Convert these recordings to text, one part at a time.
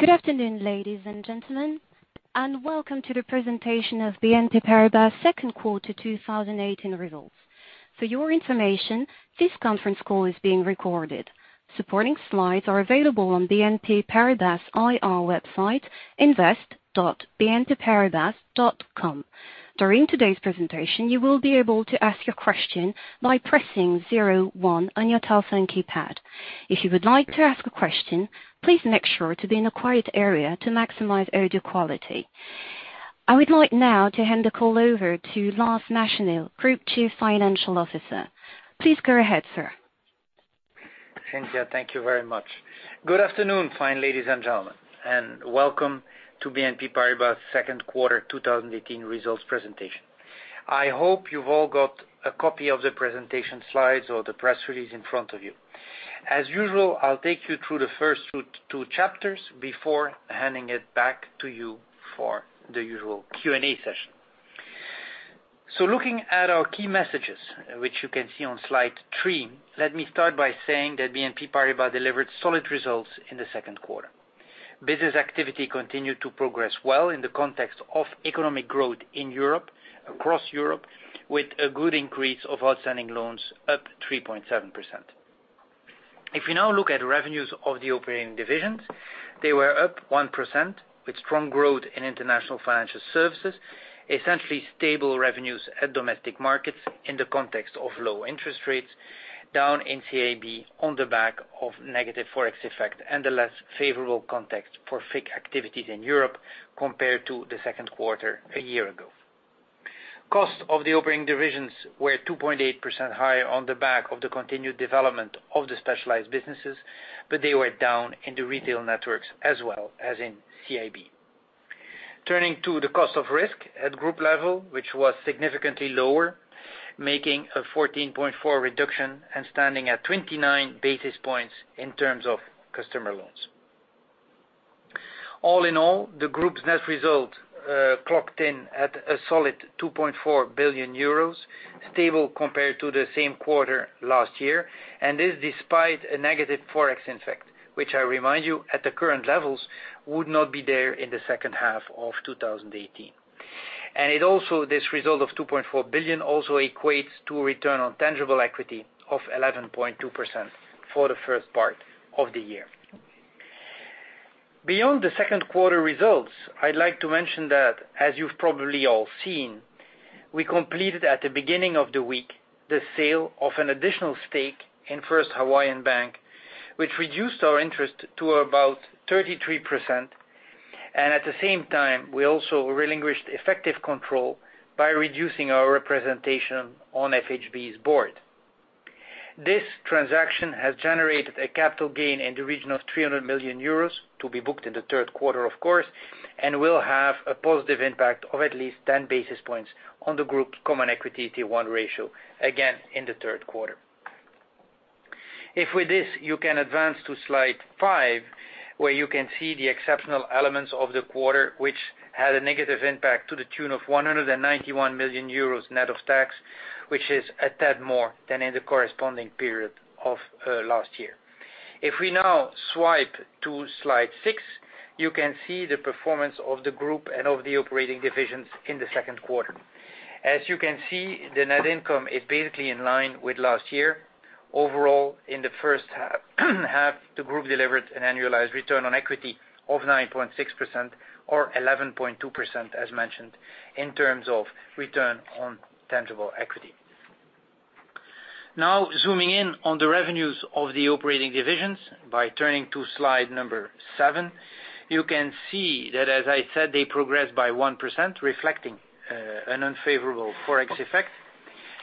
Good afternoon, ladies and gentlemen, and welcome to the presentation of BNP Paribas' second quarter 2018 results. For your information, this conference call is being recorded. Supporting slides are available on BNP Paribas IR website, invest.bnpparibas.com. During today's presentation, you will be able to ask your question by pressing zero one on your telephone keypad. If you would like to ask a question, please make sure to be in a quiet area to maximize audio quality. I would like now to hand the call over to Lars Machenil, Group Chief Financial Officer. Please go ahead, sir. Cynthia, thank you very much. Good afternoon, fine ladies and gentlemen, and welcome to BNP Paribas' second quarter 2018 results presentation. I hope you have all got a copy of the presentation slides or the press release in front of you. As usual, I will take you through the first two chapters before handing it back to you for the usual Q&A session. Looking at our key messages, which you can see on slide three, let me start by saying that BNP Paribas delivered solid results in the second quarter. Business activity continued to progress well in the context of economic growth in Europe, across Europe, with a good increase of outstanding loans up 3.7%. If we now look at revenues of the operating divisions, they were up 1% with strong growth in international financial services, essentially stable revenues at domestic markets in the context of low interest rates, down in CIB on the back of negative Forex effect and a less favorable context for FICC activities in Europe compared to the second quarter a year ago. Cost of the operating divisions were 2.8% higher on the back of the continued development of the specialized businesses, but they were down in the retail networks as well as in CIB. Turning to the cost of risk at group level, which was significantly lower, making a 14.4 reduction and standing at 29 basis points in terms of customer loans. All in all, the group's net result clocked in at a solid 2.4 billion euros, stable compared to the same quarter last year. This despite a negative Forex effect, which I remind you at the current levels would not be there in the second half of 2018. This result of 2.4 billion also equates to a return on tangible equity of 11.2% for the first part of the year. Beyond the second quarter results, I would like to mention that, as you have probably all seen, we completed at the beginning of the week, the sale of an additional stake in First Hawaiian Bank, which reduced our interest to about 33%. At the same time, we also relinquished effective control by reducing our representation on FHB's board. This transaction has generated a capital gain in the region of 300 million euros to be booked in the third quarter, of course, and will have a positive impact of at least 10 basis points on the group's Common Equity Tier 1 ratio, again, in the third quarter. With this, you can advance to slide five, where you can see the exceptional elements of the quarter, which had a negative impact to the tune of 191 million euros net of tax, which is a tad more than in the corresponding period of last year. If we now swipe to slide six, you can see the performance of the group and of the operating divisions in the second quarter. As you can see, the net income is basically in line with last year. Overall, in the first half, the group delivered an annualized return on equity of 9.6% or 11.2%, as mentioned, in terms of return on tangible equity. Zooming in on the revenues of the operating divisions by turning to slide number seven, you can see that, as I said, they progressed by 1%, reflecting an unfavorable Forex effect.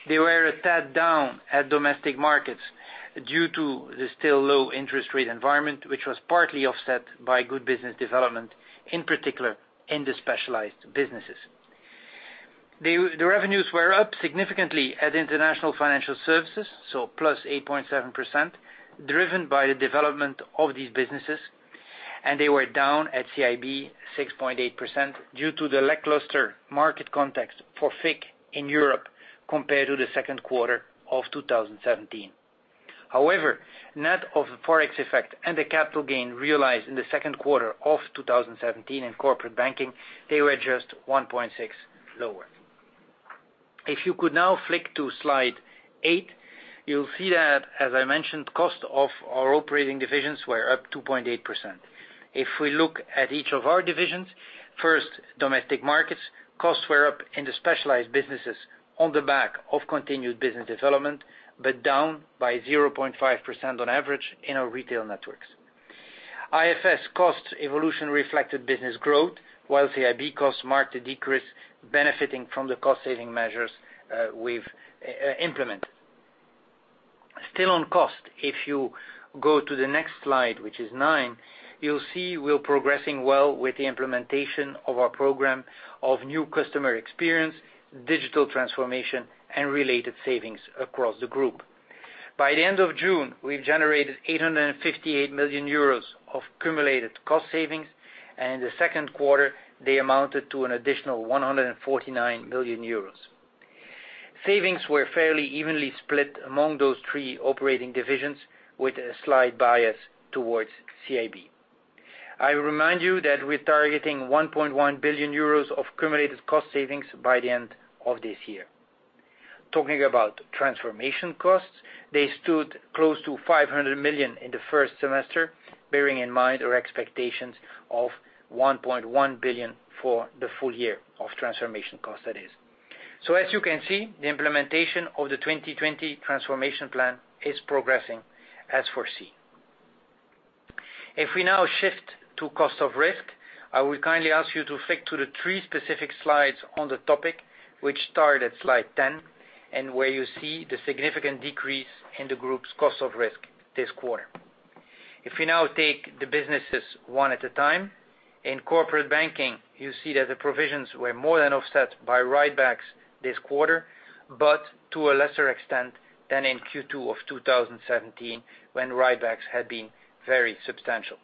They were a tad down at domestic markets due to the still low interest rate environment, which was partly offset by good business development, in particular in the specialized businesses. The revenues were up significantly at international financial services, plus 8.7%, driven by the development of these businesses. They were down at CIB 6.8% due to the lackluster market context for FICC in Europe compared to the second quarter of 2017. Net of the Forex effect and the capital gain realized in the second quarter of 2017 in corporate banking, they were just 1.6% lower. You could now flick to slide eight, you'll see that, as I mentioned, cost of our operating divisions were up 2.8%. We look at each of our divisions, first, domestic markets, costs were up in the specialized businesses on the back of continued business development, down by 0.5% on average in our retail networks. IFS cost evolution reflected business growth, whilst CIB costs marked a decrease benefiting from the cost-saving measures we've implemented. Still on cost, you go to the next slide, which is nine, you'll see we're progressing well with the implementation of our program of new customer experience, digital transformation, and related savings across the group. By the end of June, we've generated 858 million euros of cumulated cost savings. In the second quarter, they amounted to an additional 149 million euros. Savings were fairly evenly split among those three operating divisions, with a slight bias towards CIB. I remind you that we're targeting 1.1 billion euros of cumulative cost savings by the end of this year. Talking about transformation costs, they stood close to 500 million in the first semester, bearing in mind our expectations of 1.1 billion for the full year of transformation cost, that is. As you can see, the implementation of the 2020 transformation plan is progressing as foreseen. We now shift to cost of risk, I will kindly ask you to flick to the three specific slides on the topic, which start at slide 10, where you see the significant decrease in the group's cost of risk this quarter. If we now take the businesses one at a time, in corporate banking, you see that the provisions were more than offset by write-backs this quarter, but to a lesser extent than in Q2 of 2017, when write-backs had been very substantial.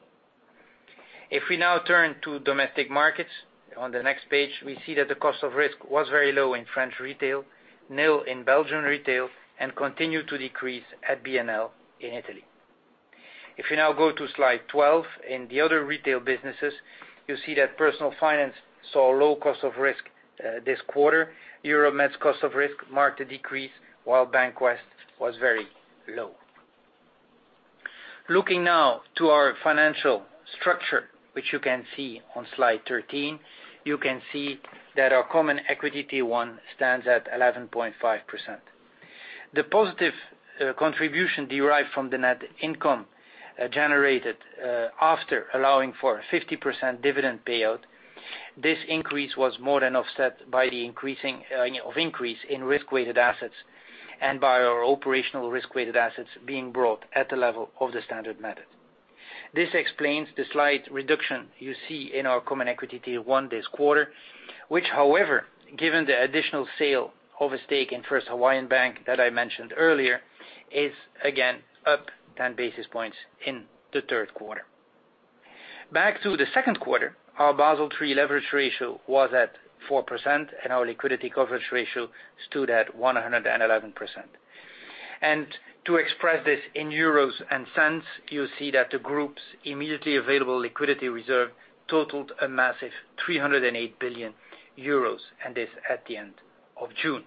If we now turn to Domestic Markets, on the next page, we see that the cost of risk was very low in French retail, nil in Belgian retail, and continued to decrease at BNL in Italy. If you now go to slide 12, in the other retail businesses, you'll see that personal finance saw low cost of risk this quarter. Europe-Med's cost of risk marked a decrease, while Bankwest was very low. Looking now to our financial structure, which you can see on slide 13, you can see that our Common Equity Tier 1 stands at 11.5%. The positive contribution derived from the net income generated, after allowing for a 50% dividend payout, this increase was more than offset by the increase in risk-weighted assets and by our operational risk-weighted assets being brought at the level of the standard method. This explains the slight reduction you see in our Common Equity Tier 1 this quarter, which however, given the additional sale of a stake in First Hawaiian Bank that I mentioned earlier, is again up 10 basis points in the third quarter. Back to the second quarter, our Basel III leverage ratio was at 4%, and our liquidity coverage ratio stood at 111%. To express this in euros and cents, you see that the group's immediately available liquidity reserve totaled a massive 308 billion euros, and this at the end of June.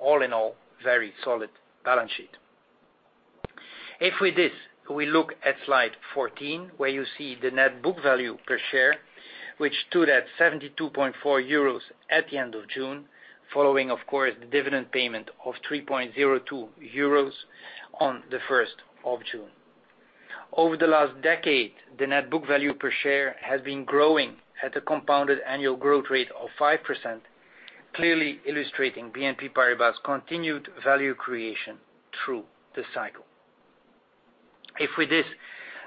All in all, very solid balance sheet. If with this, we look at slide 14, where you see the net book value per share, which stood at 72.4 euros at the end of June, following, of course, the dividend payment of 3.02 euros on the 1st of June. Over the last decade, the net book value per share has been growing at a compounded annual growth rate of 5%, clearly illustrating BNP Paribas' continued value creation through the cycle. If with this,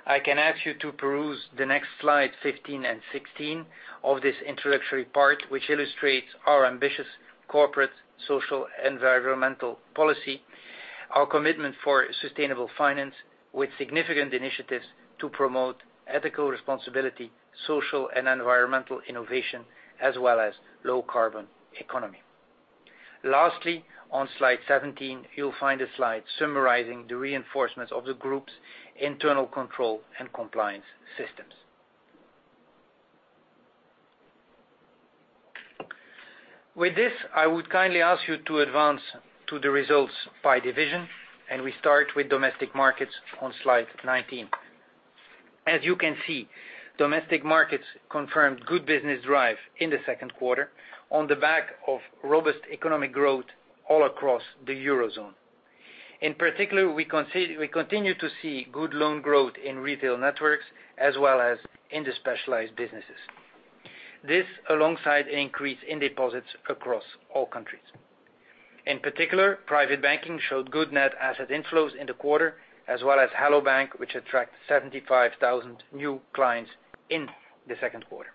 I can ask you to peruse the next slide, 15 and 16, of this introductory part, which illustrates our ambitious corporate, social, environmental policy, our commitment for sustainable finance with significant initiatives to promote ethical responsibility, social and environmental innovation, as well as low-carbon economy. Lastly, on slide 17, you'll find a slide summarizing the reinforcements of the group's internal control and compliance systems. With this, I would kindly ask you to advance to the results by division, we start with Domestic Markets on slide 19. As you can see, Domestic Markets confirmed good business drive in the second quarter on the back of robust economic growth all across the Eurozone. In particular, we continue to see good loan growth in retail networks as well as in the specialized businesses. This alongside an increase in deposits across all countries. In particular, private banking showed good net asset inflows in the quarter as well as Hello bank, which attract 75,000 new clients in the second quarter.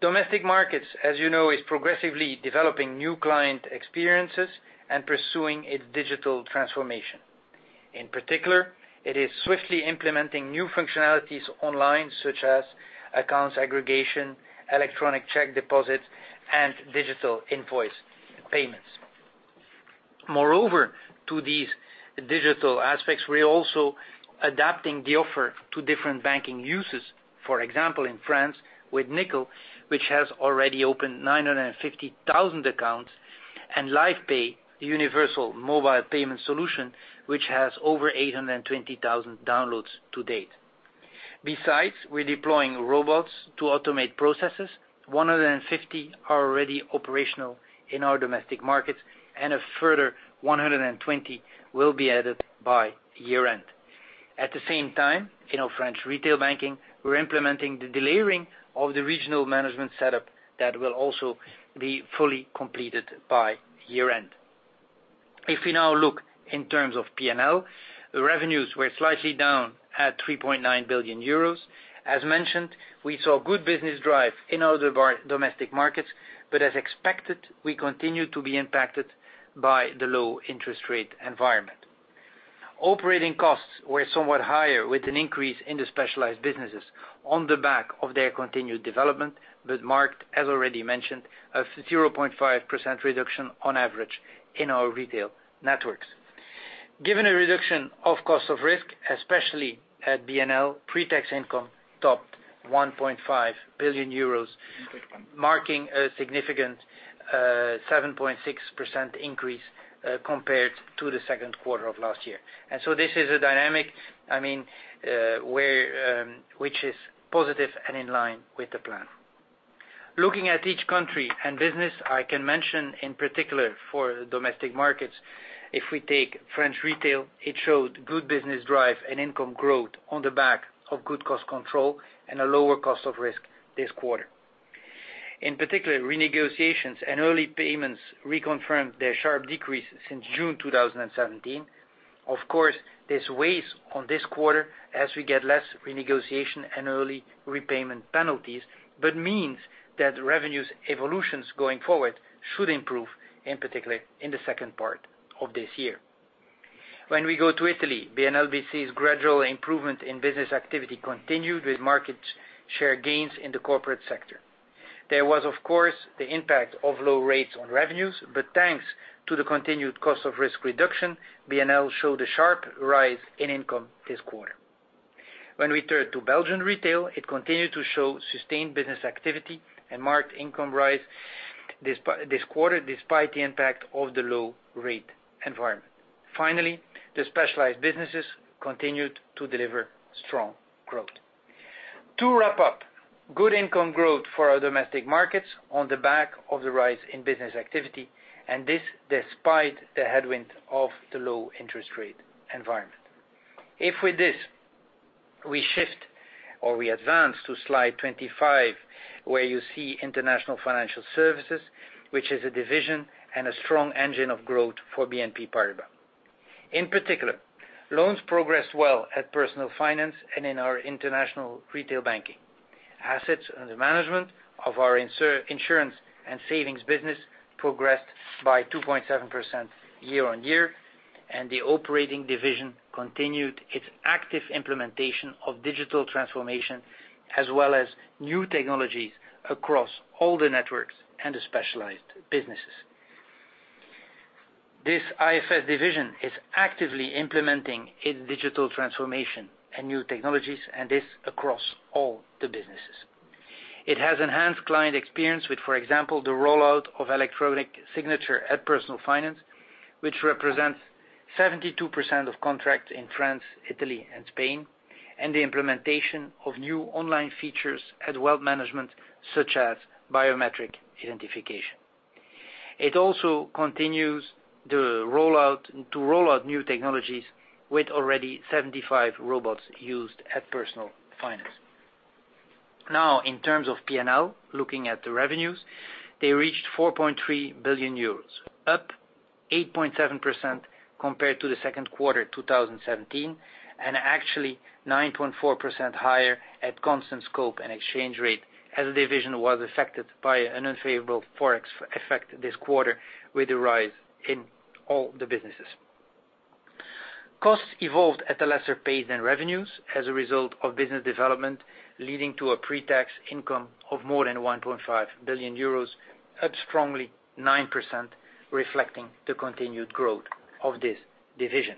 Domestic Markets, as you know, is progressively developing new client experiences and pursuing its digital transformation. In particular, it is swiftly implementing new functionalities online, such as accounts aggregation, electronic check deposits, and digital invoice payments. To these digital aspects, we're also adapting the offer to different banking uses. For example, in France with Nickel, which has already opened 950,000 accounts, and Lyf Pay, universal mobile payment solution, which has over 820,000 downloads to date. We're deploying robots to automate processes. 150 are already operational in our domestic markets, and a further 120 will be added by year-end. In our French retail banking, we're implementing the delivering of the regional management setup that will also be fully completed by year-end. If we now look in terms of P&L, the revenues were slightly down at 3.9 billion euros. As mentioned, we saw good business drive in other domestic markets, but as expected, we continue to be impacted by the low interest rate environment. Operating costs were somewhat higher with an increase in the specialized businesses on the back of their continued development, but marked, as already mentioned, a 0.5% reduction on average in our retail networks. Given a reduction of cost of risk, especially at BNL, pre-tax income topped 1.5 billion euros, marking a significant 7.6% increase compared to the second quarter of last year. This is a dynamic which is positive and in line with the plan. Looking at each country and business, I can mention in particular for domestic markets, if we take French retail, it showed good business drive and income growth on the back of good cost control and a lower cost of risk this quarter. In particular, renegotiations and early payments reconfirmed their sharp decrease since June 2017. Of course, this weighs on this quarter as we get less renegotiation and early repayment penalties, but means that revenues evolutions going forward should improve, in particular, in the second part of this year. When we go to Italy, BNL bc's gradual improvement in business activity continued with market share gains in the corporate sector. There was, of course, the impact of low rates on revenues, but thanks to the continued cost of risk reduction, BNL showed a sharp rise in income this quarter. When we turn to Belgian retail, it continued to show sustained business activity and marked income rise this quarter, despite the impact of the low rate environment. The specialized businesses continued to deliver strong growth. To wrap up, good income growth for our domestic markets on the back of the rise in business activity, and this despite the headwind of the low interest rate environment. If with this, we shift or we advance to slide 25, where you see International Financial Services, which is a division and a strong engine of growth for BNP Paribas. In particular, loans progressed well at Personal Finance and in our international retail banking. Assets under management of our insurance and savings business progressed by 2.7% year-on-year, and the operating division continued its active implementation of digital transformation, as well as new technologies across all the networks and the specialized businesses. This IFS division is actively implementing its digital transformation and new technologies, and this across all the businesses. It has enhanced client experience with, for example, the rollout of electronic signature at Personal Finance, which represents 72% of contracts in France, Italy, and Spain, and the implementation of new online features at Wealth Management, such as biometric identification. It also continues to roll out new technologies with already 75 robots used at Personal Finance. In terms of P&L, looking at the revenues, they reached 4.3 billion euros, up 8.7% compared to the second quarter 2017, and actually 9.4% higher at constant scope and exchange rate as the division was affected by an unfavorable Forex effect this quarter with a rise in all the businesses. Costs evolved at a lesser pace than revenues as a result of business development, leading to a pre-tax income of more than 1.5 billion euros, up strongly 9%, reflecting the continued growth of this division.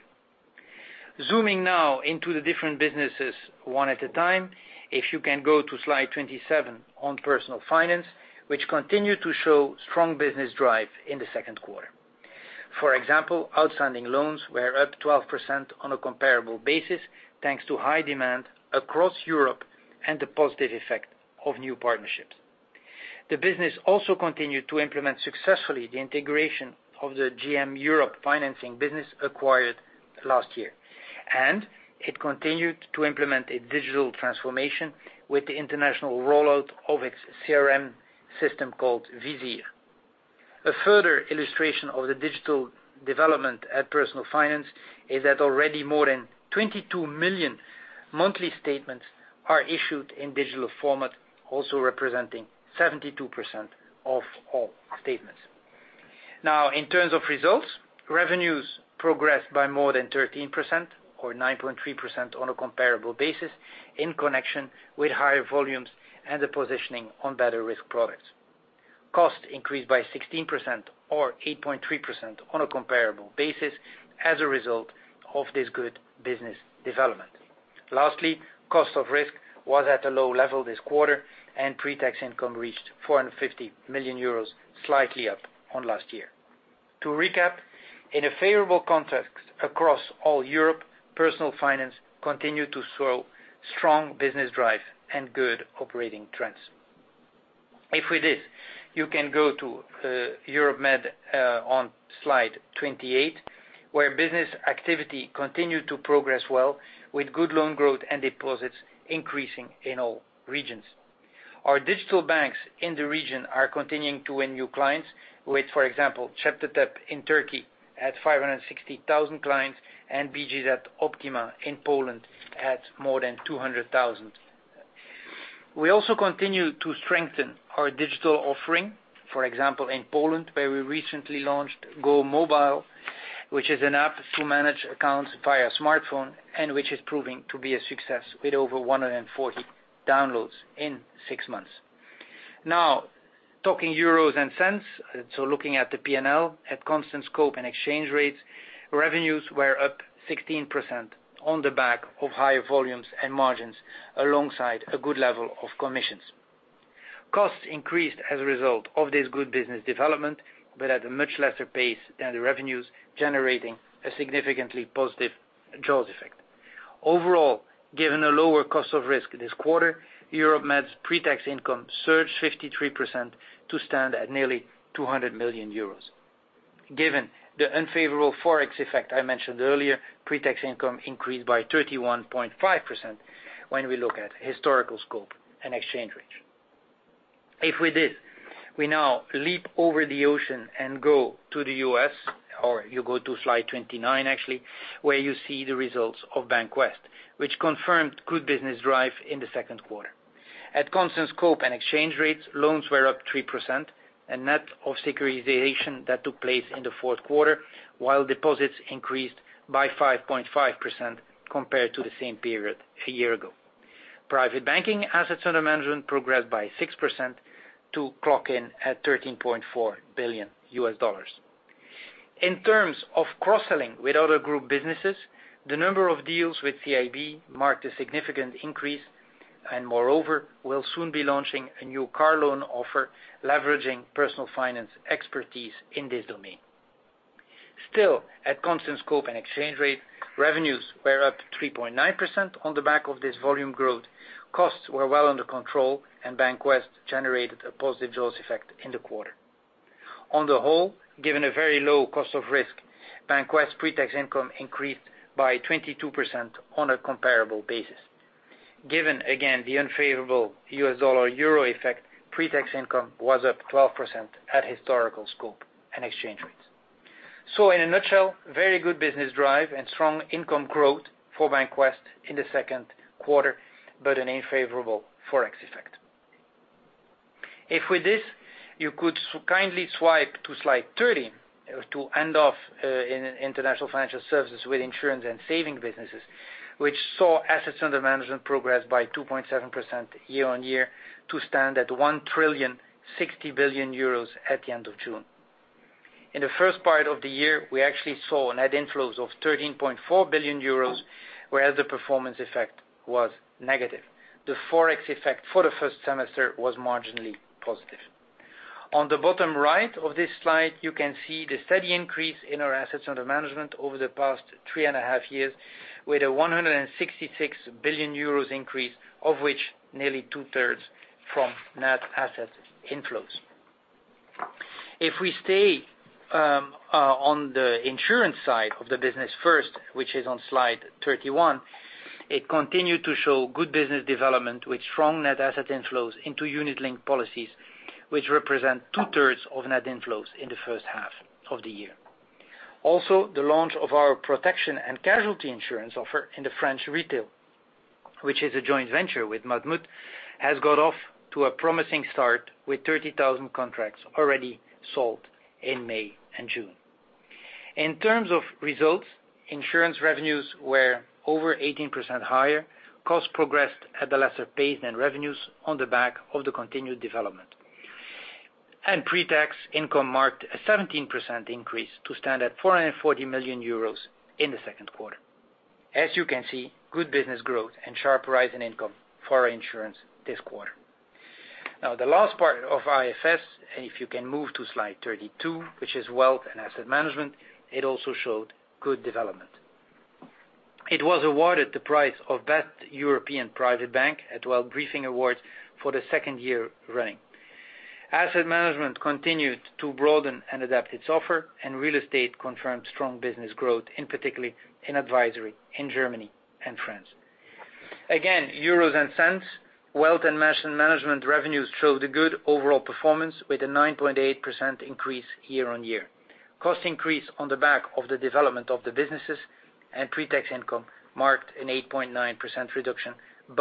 Zooming now into the different businesses one at a time. If you can go to slide 27 on Personal Finance, which continued to show strong business drive in the second quarter. For example, outstanding loans were up 12% on a comparable basis, thanks to high demand across Europe and the positive effect of new partnerships. The business also continued to implement successfully the integration of the GM Europe financing business acquired last year, and it continued to implement a digital transformation with the international rollout of its CRM system called Vizir. A further illustration of the digital development at Personal Finance is that already more than 22 million monthly statements are issued in digital format, also representing 72% of all statements. Now, in terms of results, revenues progressed by more than 13%, or 9.3% on a comparable basis, in connection with higher volumes and the positioning on better risk products. Costs increased by 16%, or 8.3% on a comparable basis, as a result of this good business development. Lastly, cost of risk was at a low level this quarter, and pre-tax income reached 450 million euros, slightly up on last year. To recap, in a favorable context across all Europe, Personal Finance continued to show strong business drive and good operating trends. If with this, you can go to Europe-Mediterranean on slide 28, where business activity continued to progress well with good loan growth and deposits increasing in all regions. Our digital banks in the region are continuing to win new clients with, for example, Cepteteb in Turkey at 560,000 clients and BGŻ Optima in Poland at more than 200,000. We also continue to strengthen our digital offering. For example, in Poland, where we recently launched GOmobile, which is an app to manage accounts via smartphone, and which is proving to be a success with over 140,000 downloads in six months. Now, talking euros and cents, looking at the P&L at constant scope and exchange rates, revenues were up 16% on the back of higher volumes and margins alongside a good level of commissions. Costs increased as a result of this good business development, but at a much lesser pace than the revenues, generating a significantly positive jaws effect. Overall, given a lower cost of risk this quarter, Europe-Mediterranean's pre-tax income surged 53% to stand at nearly 200 million euros. Given the unfavorable Forex effect I mentioned earlier, pre-tax income increased by 31.5% when we look at historical scope and exchange rates. If with this, we now leap over the ocean and go to the U.S., or you go to slide 29 actually, where you see the results of Bank of the West, which confirmed good business drive in the second quarter. At constant scope and exchange rates, loans were up 3% and net of securitization that took place in the fourth quarter, while deposits increased by 5.5% compared to the same period a year ago. Private banking assets under management progressed by 6% to clock in at $13.4 billion. Moreover, we'll soon be launching a new car loan offer leveraging personal finance expertise in this domain. Still, at constant scope and exchange rate, revenues were up 3.9% on the back of this volume growth. Costs were well under control. Bankwest generated a positive jaws effect in the quarter. On the whole, given a very low cost of risk, Bankwest pre-tax income increased by 22% on a comparable basis. Given again, the unfavorable U.S. dollar euro effect, pre-tax income was up 12% at historical scope and exchange rates. In a nutshell, very good business drive and strong income growth for Bankwest in the second quarter, an unfavorable Forex effect. If with this, you could kindly swipe to slide 30 to end off in International Financial Services with insurance and saving businesses, which saw assets under management progress by 2.7% year on year to stand at 1,060 billion euros at the end of June. In the first part of the year, we actually saw net inflows of 13.4 billion euros, whereas the performance effect was negative. The Forex effect for the first semester was marginally positive. On the bottom right of this slide, you can see the steady increase in our assets under management over the past three and a half years with a 166 billion euros increase, of which nearly two-thirds from net asset inflows. If we stay on the insurance side of the business first, which is on slide 31, it continued to show good business development with strong net asset inflows into unit-linked policies, which represent two-thirds of net inflows in the first half of the year. The launch of our protection and casualty insurance offer in the French retail, which is a joint venture with Matmut, has got off to a promising start with 30,000 contracts already sold in May and June. In terms of results, insurance revenues were over 18% higher, costs progressed at a lesser pace than revenues on the back of the continued development. Pre-tax income marked a 17% increase to stand at 440 million euros in the second quarter. As you can see, good business growth and sharp rise in income for our insurance this quarter. The last part of IFS, if you can move to slide 32, which is wealth and asset management, it also showed good development. It was awarded the prize of Best European Private Bank at WealthBriefing Awards for the second year running. Asset management continued to broaden and adapt its offer. Real estate confirmed strong business growth, in particularly in advisory in Germany and France. Again, euros and cents, wealth and asset management revenues showed a good overall performance with a 9.8% increase year on year. Cost increase on the back of the development of the businesses, pre-tax income marked an 8.9% reduction, a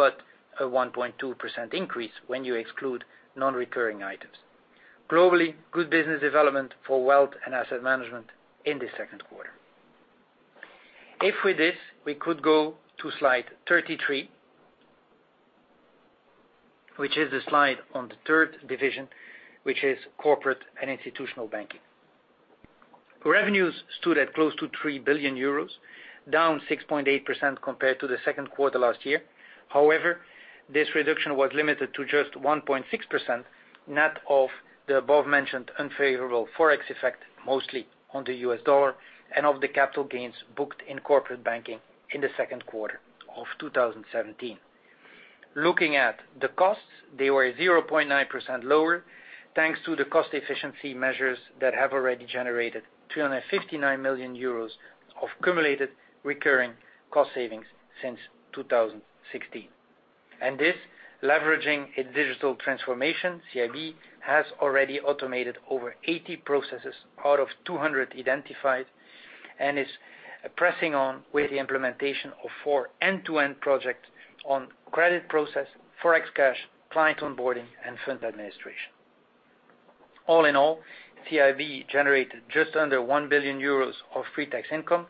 1.2% increase when you exclude non-recurring items. Globally, good business development for wealth and asset management in the second quarter. If with this, we could go to slide 33, which is the slide on the third division, which is Corporate and Institutional Banking. Revenues stood at close to 3 billion euros, down 6.8% compared to the second quarter last year. This reduction was limited to just 1.6%, net of the above-mentioned unfavorable Forex effect, mostly on the U.S. dollar and of the capital gains booked in corporate banking in the second quarter of 2017. Looking at the costs, they were 0.9% lower, thanks to the cost efficiency measures that have already generated 259 million euros of cumulated recurring cost savings since 2016. Leveraging a digital transformation, CIB has already automated over 80 processes out of 200 identified and is pressing on with the implementation of four end-to-end projects on credit process, Forex cash, client onboarding, and fund administration. All in all, CIB generated just under 1 billion euros of pre-tax income,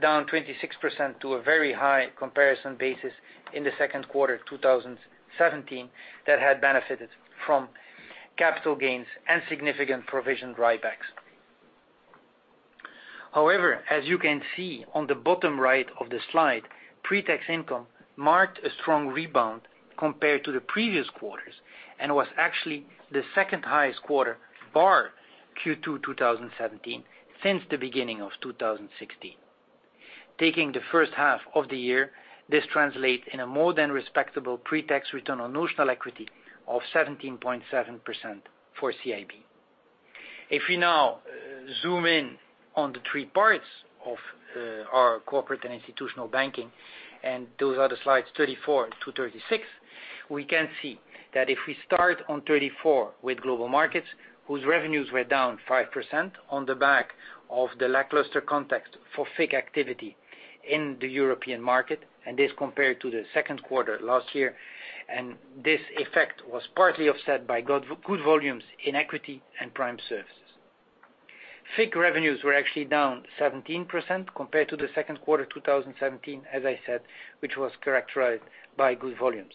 down 26% to a very high comparison basis in the second quarter 2017 that had benefited from capital gains and significant provision write-backs. As you can see on the bottom right of the slide, pre-tax income marked a strong rebound compared to the previous quarters, and was actually the second highest quarter, bar Q2 2017, since the beginning of 2016. Taking the first half of the year, this translates in a more than respectable pre-tax return on notional equity of 17.7% for CIB. If we now zoom in on the three parts of our Corporate and Institutional Banking, and those are the slides 34 to 36, we can see that if we start on 34 with global markets, whose revenues were down 5% on the back of the lackluster context for FICC activity in the European market, and this compared to the second quarter last year, and this effect was partly offset by good volumes in equity and prime services. FICC revenues were actually down 17% compared to the second quarter 2017, as I said, which was characterized by good volumes.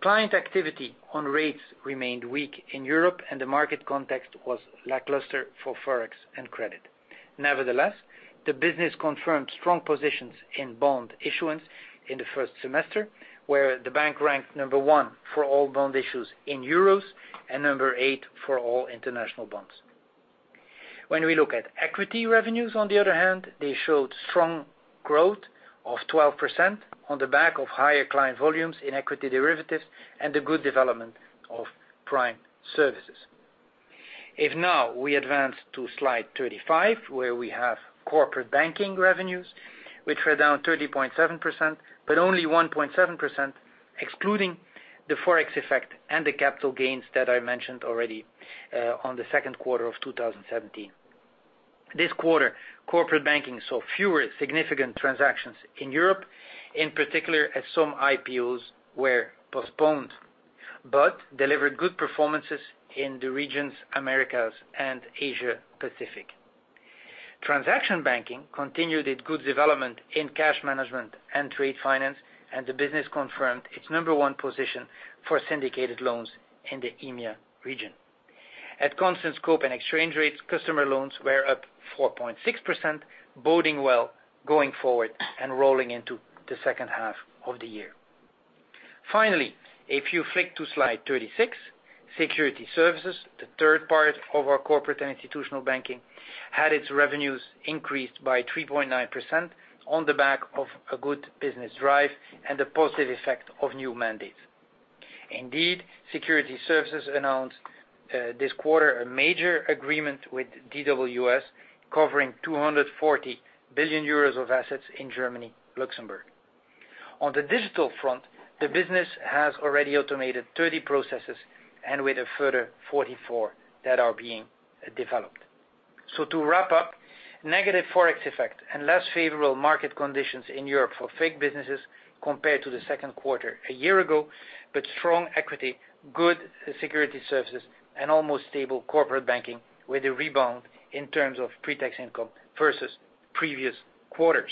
Client activity on rates remained weak in Europe, and the market context was lackluster for Forex and credit. The business confirmed strong positions in bond issuance in the first semester, where the bank ranked number one for all bond issues in euros, and number eight for all international bonds. When we look at equity revenues, on the other hand, they showed strong growth of 12% on the back of higher client volumes in equity derivatives and the good development of prime services. If now we advance to slide 35, where we have corporate banking revenues, which were down 30.7%, but only 1.7% excluding the Forex effect and the capital gains that I mentioned already on the second quarter of 2017. This quarter, corporate banking saw fewer significant transactions in Europe, in particular as some IPOs were postponed, but delivered good performances in the regions Americas and Asia Pacific. Transaction banking continued its good development in cash management and trade finance, and the business confirmed its number one position for syndicated loans in the EMEA region. At constant scope and exchange rates, customer loans were up 4.6%, boding well going forward and rolling into the second half of the year. If you flick to slide 36, security services, the third part of our corporate and institutional banking, had its revenues increased by 3.9% on the back of a good business drive and the positive effect of new mandates. Indeed, security services announced this quarter a major agreement with DWS covering 240 billion euros of assets in Germany, Luxembourg. On the digital front, the business has already automated 30 processes and with a further 44 that are being developed. To wrap up, negative Forex effect and less favorable market conditions in Europe for FICC businesses compared to the second quarter a year ago, but strong equity, good security services, and almost stable corporate banking with a rebound in terms of pre-tax income versus previous quarters.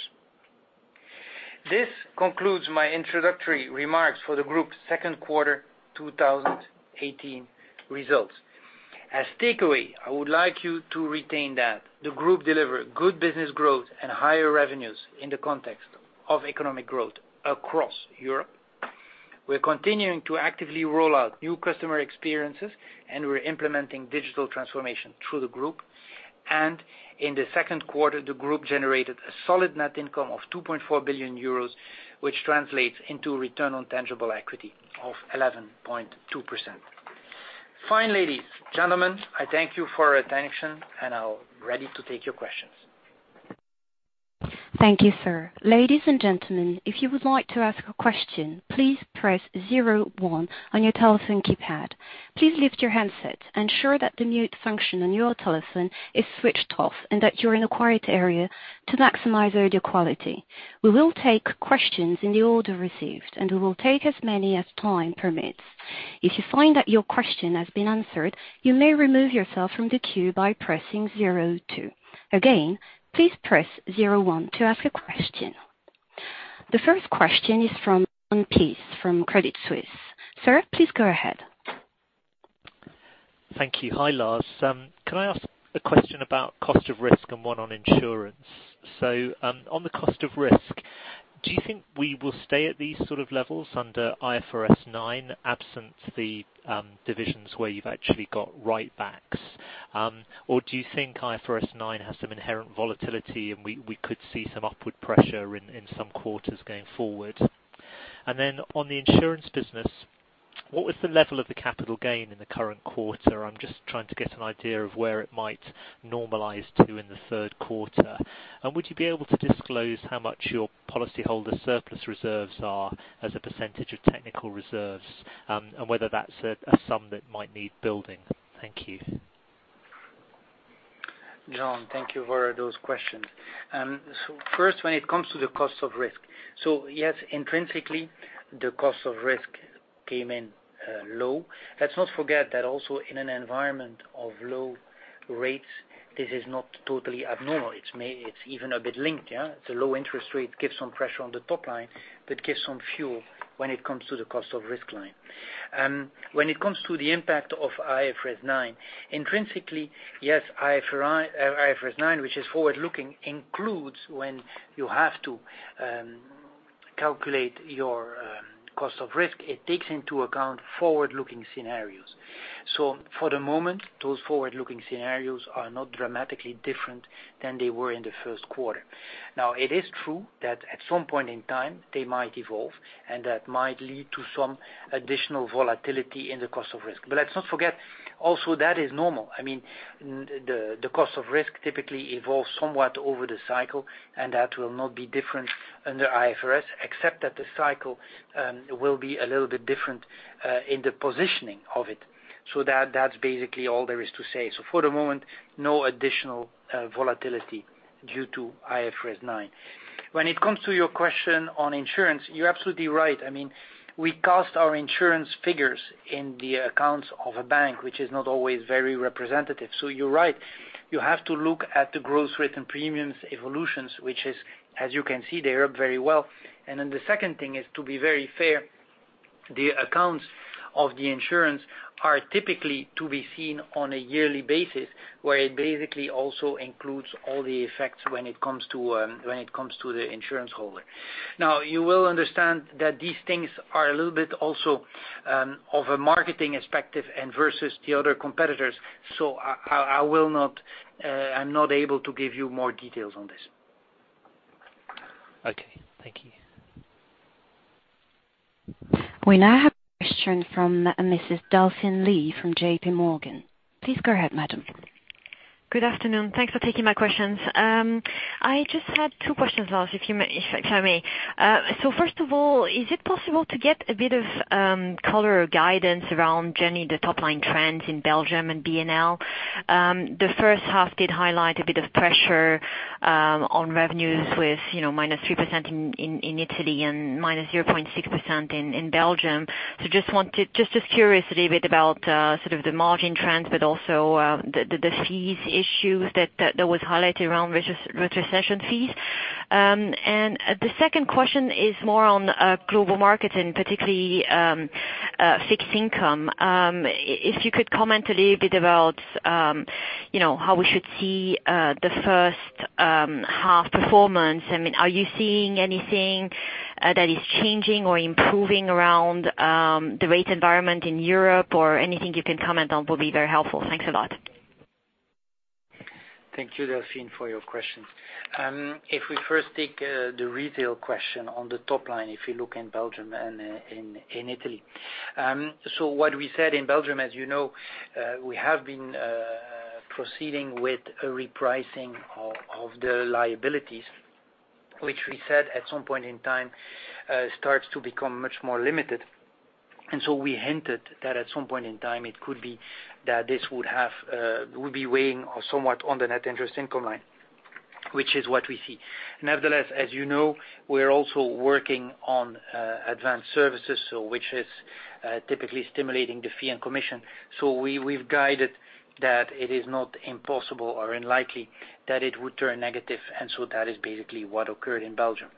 This concludes my introductory remarks for the group's second quarter 2018 results. As takeaway, I would like you to retain that the group delivered good business growth and higher revenues in the context of economic growth across Europe. We're continuing to actively roll out new customer experiences, and we're implementing digital transformation through the group. In the second quarter, the group generated a solid net income of 2.4 billion euros, which translates into return on tangible equity of 11.2%. Fine, ladies, gentlemen, I thank you for your attention, and I'm ready to take your questions. Thank you, sir. Ladies and gentlemen, if you would like to ask a question, please press 01 on your telephone keypad. Please lift your handset, ensure that the mute function on your telephone is switched off, and that you're in a quiet area to maximize audio quality. We will take questions in the order received, and we will take as many as time permits. If you find that your question has been answered, you may remove yourself from the queue by pressing 02. Again, please press 01 to ask a question. The first question is from Jon Peace from Credit Suisse. Sir, please go ahead. Thank you. Hi, Lars. Can I ask a question about cost of risk and one on insurance? On the cost of risk, do you think we will stay at these sort of levels under IFRS 9 absent the divisions where you've actually got write-backs? Or do you think IFRS 9 has some inherent volatility and we could see some upward pressure in some quarters going forward? Then on the insurance business, what was the level of the capital gain in the current quarter? I'm just trying to get an idea of where it might normalize to in the third quarter. Would you be able to disclose how much your policyholder surplus reserves are as a percentage of technical reserves, and whether that's a sum that might need building? Thank you. Jon, thank you for those questions. First, when it comes to the cost of risk. Yes, intrinsically, the cost of risk came in low. Let's not forget that also in an environment of low rates, this is not totally abnormal. It's even a bit linked. The low interest rate gives some pressure on the top line, but gives some fuel when it comes to the cost of risk line. When it comes to the impact of IFRS 9, intrinsically, yes, IFRS 9, which is forward-looking, includes when you have to calculate your cost of risk, it takes into account forward-looking scenarios. For the moment, those forward-looking scenarios are not dramatically different than they were in the first quarter. It is true that at some point in time, they might evolve, and that might lead to some additional volatility in the cost of risk. Let's not forget also, that is normal. The cost of risk typically evolves somewhat over the cycle, and that will not be different under IFRS, except that the cycle will be a little bit different in the positioning of it. That's basically all there is to say. For the moment, no additional volatility due to IFRS 9. When it comes to your question on insurance, you're absolutely right. We cast our insurance figures in the accounts of a bank, which is not always very representative. You're right. You have to look at the gross written premiums evolutions, which is, as you can see there, very well. The second thing is, to be very fair, the accounts of the insurance are typically to be seen on a yearly basis, where it basically also includes all the effects when it comes to the insurance holder. You will understand that these things are a little bit also of a marketing perspective and versus the other competitors. I'm not able to give you more details on this. Okay. Thank you. We now have a question from Mrs. Delphine Lee from J.P. Morgan. Please go ahead, madam. Good afternoon. Thanks for taking my questions. I just had two questions, Lars, if you may. First of all, is it possible to get a bit of color or guidance around, generally, the top-line trends in Belgium and BNL? The first half did highlight a bit of pressure on revenues with -3% in Italy and -0.6% in Belgium. Just curious a little bit about sort of the margin trends, but also the fees issues that was highlighted around rescission fees. The second question is more on global markets and particularly fixed income. If you could comment a little bit about how we should see the first half performance. Are you seeing anything that is changing or improving around the rate environment in Europe, or anything you can comment on will be very helpful. Thanks a lot. Thank you, Delphine, for your questions. If we first take the retail question on the top line, if you look in Belgium and in Italy. What we said in Belgium, as you know, we have been proceeding with a repricing of the liabilities, which we said at some point in time, starts to become much more limited. We hinted that at some point in time, it could be that this would be weighing somewhat on the net interest income line, which is what we see. Nevertheless, as you know, we're also working on advanced services, which is typically stimulating the fee and commission. We've guided that it is not impossible or unlikely that it would turn negative. That is basically what occurred in Belgium.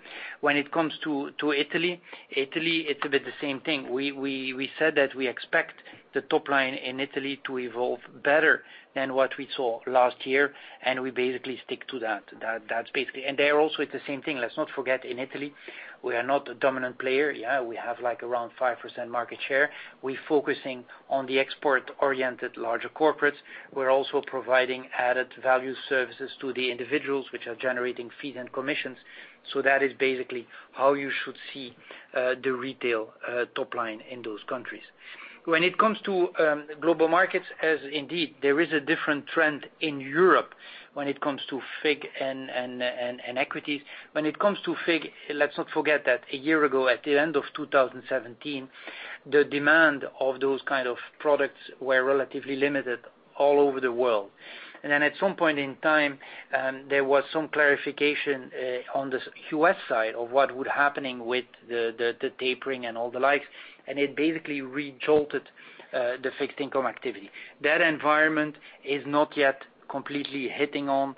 When it comes to Italy, it's a bit the same thing. We said that we expect the top line in Italy to evolve better than what we saw last year, we basically stick to that. There also, it's the same thing. Let's not forget, in Italy, we are not a dominant player. We have around 5% market share. We're focusing on the export-oriented larger corporates. We're also providing added value services to the individuals, which are generating fees and commissions. That is basically how you should see the retail top line in those countries. When it comes to global markets, as indeed, there is a different trend in Europe when it comes to FIG and equities. When it comes to FIG, let's not forget that a year ago, at the end of 2017, the demand of those kind of products were relatively limited all over the world. At some point in time, there was some clarification on the U.S. side of what would happening with the tapering and all the likes, and it basically re-jolted the fixed income activity. That environment is not yet completely hitting on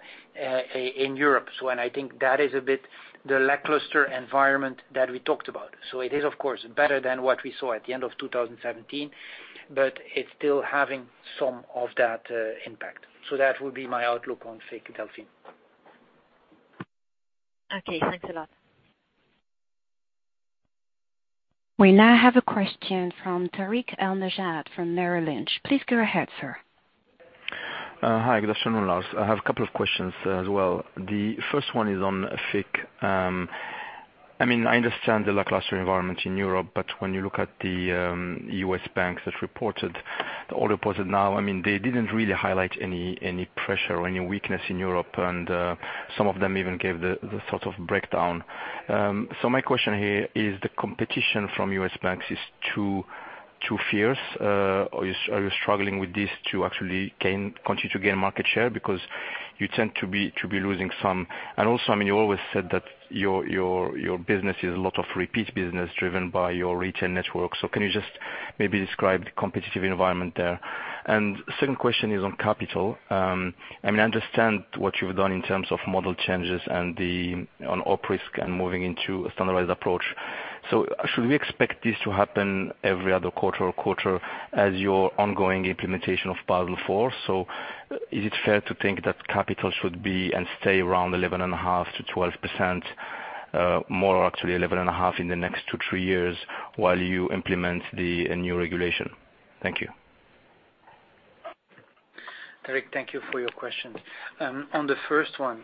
in Europe. I think that is a bit the lackluster environment that we talked about. It is, of course, better than what we saw at the end of 2017, but it's still having some of that impact. That would be my outlook on FIG, Delphine. Okay, thanks a lot. We now have a question from Tarik El Mejjad from Merrill Lynch. Please go ahead, sir. Hi, good afternoon, Lars. I have a couple of questions as well. The first one is on FIG. I understand the lackluster environment in Europe, but when you look at the U.S. banks that reported, they all reported now, they didn't really highlight any pressure or any weakness in Europe, and some of them even gave the sort of breakdown. My question here is the competition from U.S. banks is too fierce. Are you struggling with this to actually continue to gain market share? Because you tend to be losing some. Also, you always said that your business is a lot of repeat business driven by your retail network. Can you just maybe describe the competitive environment there? Second question is on capital. I understand what you've done in terms of model changes and on op risk and moving into a standardized approach. Should we expect this to happen every other quarter or quarter as your ongoing implementation of Basel IV? Is it fair to think that capital should be and stay around 11.5%-12% more, or actually 11.5% in the next 2, 3 years while you implement the new regulation? Thank you. Tarik, thank you for your question. On the first one,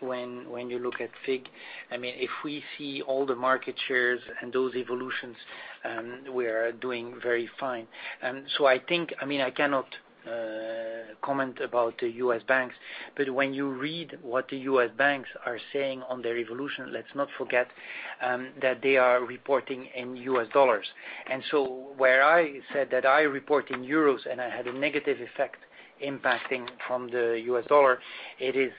when you look at FIG, if we see all the market shares and those evolutions, we are doing very fine. I cannot comment about the U.S. banks, but when you read what the U.S. banks are saying on their evolution, let's not forget that they are reporting in U.S. dollars. Where I said that I report in EUR and I had a negative effect impacting from the U.S. dollar, it is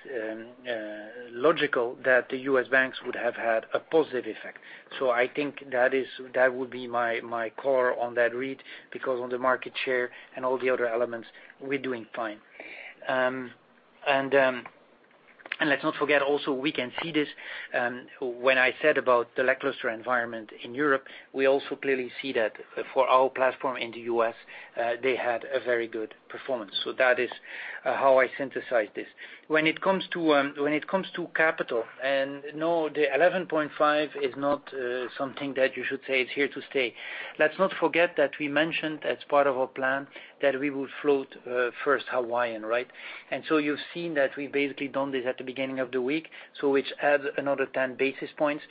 logical that the U.S. banks would have had a positive effect. I think that would be my core on that read, because on the market share and all the other elements, we're doing fine. Let's not forget also, we can see this, when I said about the lackluster environment in Europe, we also clearly see that for our platform in the U.S., they had a very good performance. That is how I synthesize this. When it comes to capital, no, the 11.5% is not something that you should say is here to stay. Let's not forget that we mentioned as part of our plan that we would float First Hawaiian, right? You've seen that we basically done this at the beginning of the week, which adds another 10 basis points.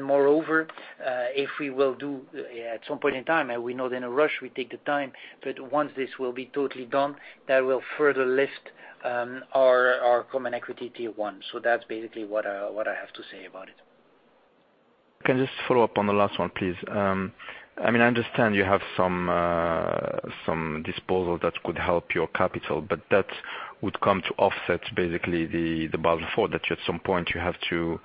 Moreover, if we will do at some point in time, we're not in a rush, we take the time, but once this will be totally done, that will further lift our Common Equity Tier 1. That's basically what I have to say about it. Can I just follow up on the last one, please? I understand you have some disposal that could help your capital, but that would come to offset basically the Basel IV that at some point you have to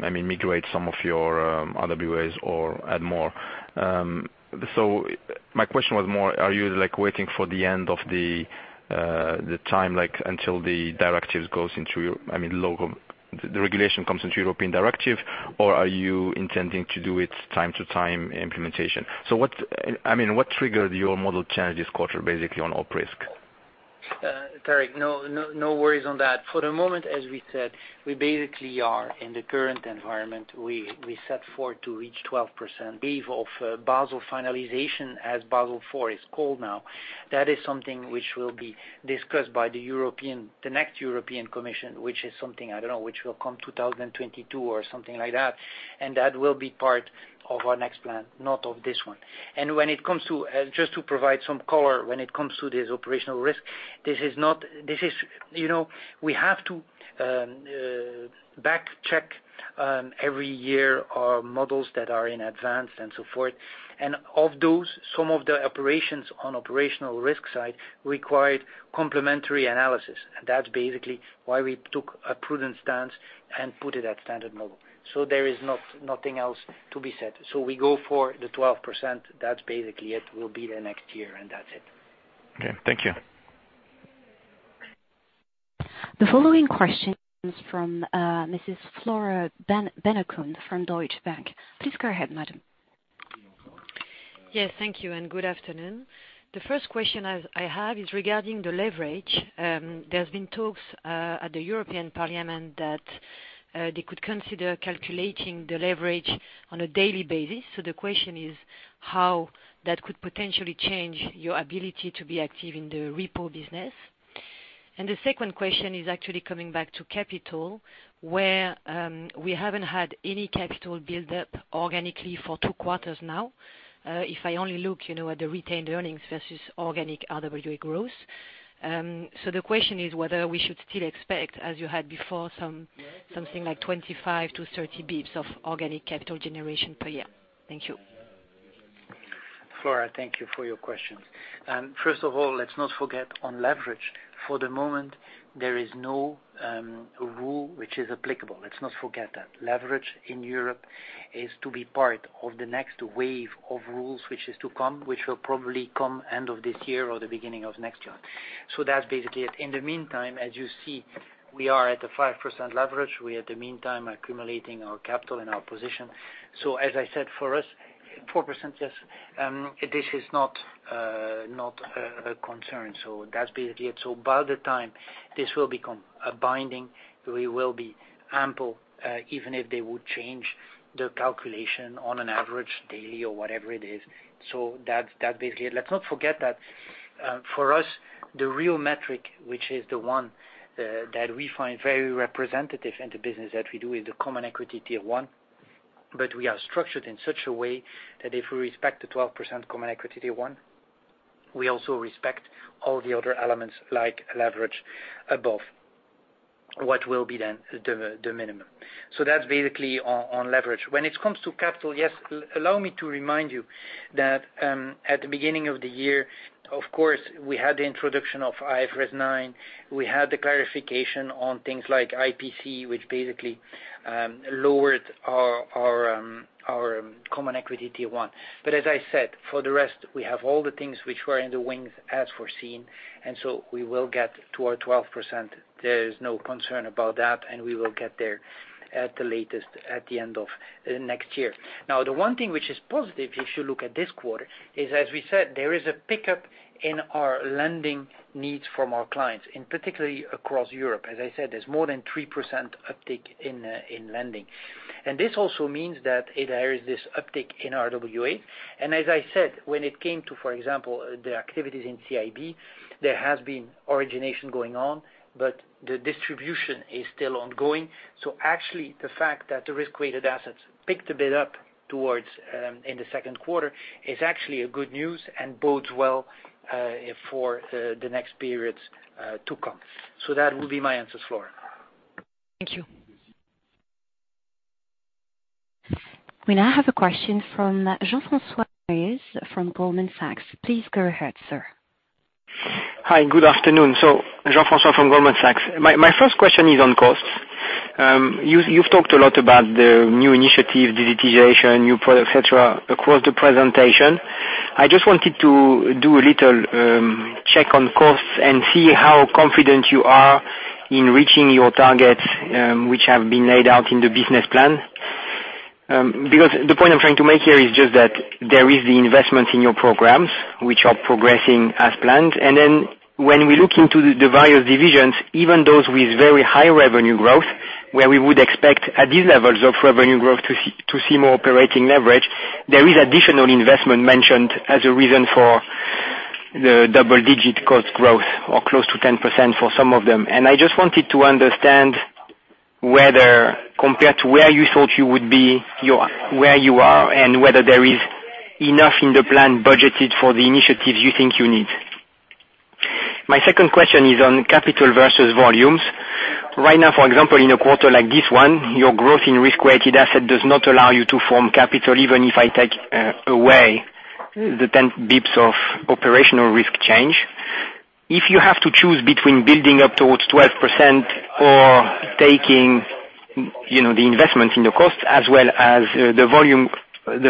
migrate some of your RWAs or add more. My question was more, are you waiting for the end of the time until the regulation comes into European directive, or are you intending to do it time to time implementation? What triggered your model change this quarter, basically on op risk? Tarik, no worries on that. For the moment, as we said, we basically are in the current environment. We set forth to reach 12% wave of Basel finalization, as Basel IV is called now. That is something which will be discussed by the next European Commission, which is something, I don't know, which will come 2022 or something like that. That will be part of our next plan, not of this one. Just to provide some color when it comes to this operational risk. We have to back check every year our models that are in advance and so forth. Of those, some of the operations on operational risk side required complementary analysis. That's basically why we took a prudent stance and put it at standard model. There is nothing else to be said. We go for the 12%. That's basically it, will be the next year and that's it. Okay. Thank you. The following question is from Mrs. Flora Bocahut from Deutsche Bank. Please go ahead, madam. Yes, thank you, and good afternoon. The first question I have is regarding the leverage. There's been talks at the European Parliament that they could consider calculating the leverage on a daily basis. The question is how that could potentially change your ability to be active in the repo business. The second question is actually coming back to capital, where we haven't had any capital build up organically for 2 quarters now. If I only look at the retained earnings versus organic RWA growth. The question is whether we should still expect, as you had before, something like 25 to 30 basis points of organic capital generation per year. Thank you. Flora, thank you for your questions. First of all, let's not forget on leverage, for the moment, there is no rule which is applicable. Let's not forget that. Leverage in Europe is to be part of the next wave of rules, which is to come, which will probably come end of this year or the beginning of next year. That's basically it. In the meantime, as you see, we are at the 5% leverage. We in the meantime are accumulating our capital and our position. As I said, for us, 4%, yes. This is not a concern. That's basically it. By the time this will become binding, we will be ample, even if they would change the calculation on an average daily or whatever it is. That's basically it. Let's not forget that for us, the real metric, which is the one that we find very representative in the business that we do, is the Common Equity Tier 1. We are structured in such a way that if we respect the 12% Common Equity Tier 1, we also respect all the other elements like leverage above what will be then the minimum. That's basically on leverage. When it comes to capital, yes, allow me to remind you that at the beginning of the year, of course, we had the introduction of IFRS 9. We had the clarification on things like IPC, which basically lowered our Common Equity Tier 1. As I said, for the rest, we have all the things which were in the wings as foreseen, we will get to our 12%. There is no concern about that, we will get there at the latest at the end of next year. The one thing which is positive, if you look at this quarter, is, as we said, there is a pickup in our lending needs from our clients, and particularly across Europe. As I said, there's more than 3% uptick in lending. This also means that there is this uptick in RWA. As I said, when it came to, for example, the activities in CIB, there has been origination going on, the distribution is still ongoing. Actually, the fact that the risk-weighted assets picked a bit up towards in the Q2 is actually a good news and bodes well for the next periods to come. That will be my answer, Flora. Thank you. We now have a question from Jean-Francois Neuez from Goldman Sachs. Please go ahead, sir. Hi, good afternoon. Jean-Francois from Goldman Sachs. My first question is on costs. You've talked a lot about the new initiative, digitization, new product, et cetera, across the presentation. I just wanted to do a little check on costs and see how confident you are in reaching your targets which have been laid out in the business plan. The point I'm trying to make here is just that there is the investment in your programs, which are progressing as planned. When we look into the various divisions, even those with very high revenue growth, where we would expect at these levels of revenue growth to see more operating leverage, there is additional investment mentioned as a reason for the double-digit cost growth, or close to 10% for some of them. I just wanted to understand whether compared to where you thought you would be, where you are, and whether there is enough in the plan budgeted for the initiatives you think you need. My second question is on capital versus volumes. Right now, for example, in a quarter like this one, your growth in risk-weighted asset does not allow you to form capital, even if I take away the 10 basis points of operational risk change. If you have to choose between building up towards 12% or taking the investment in the cost as well as the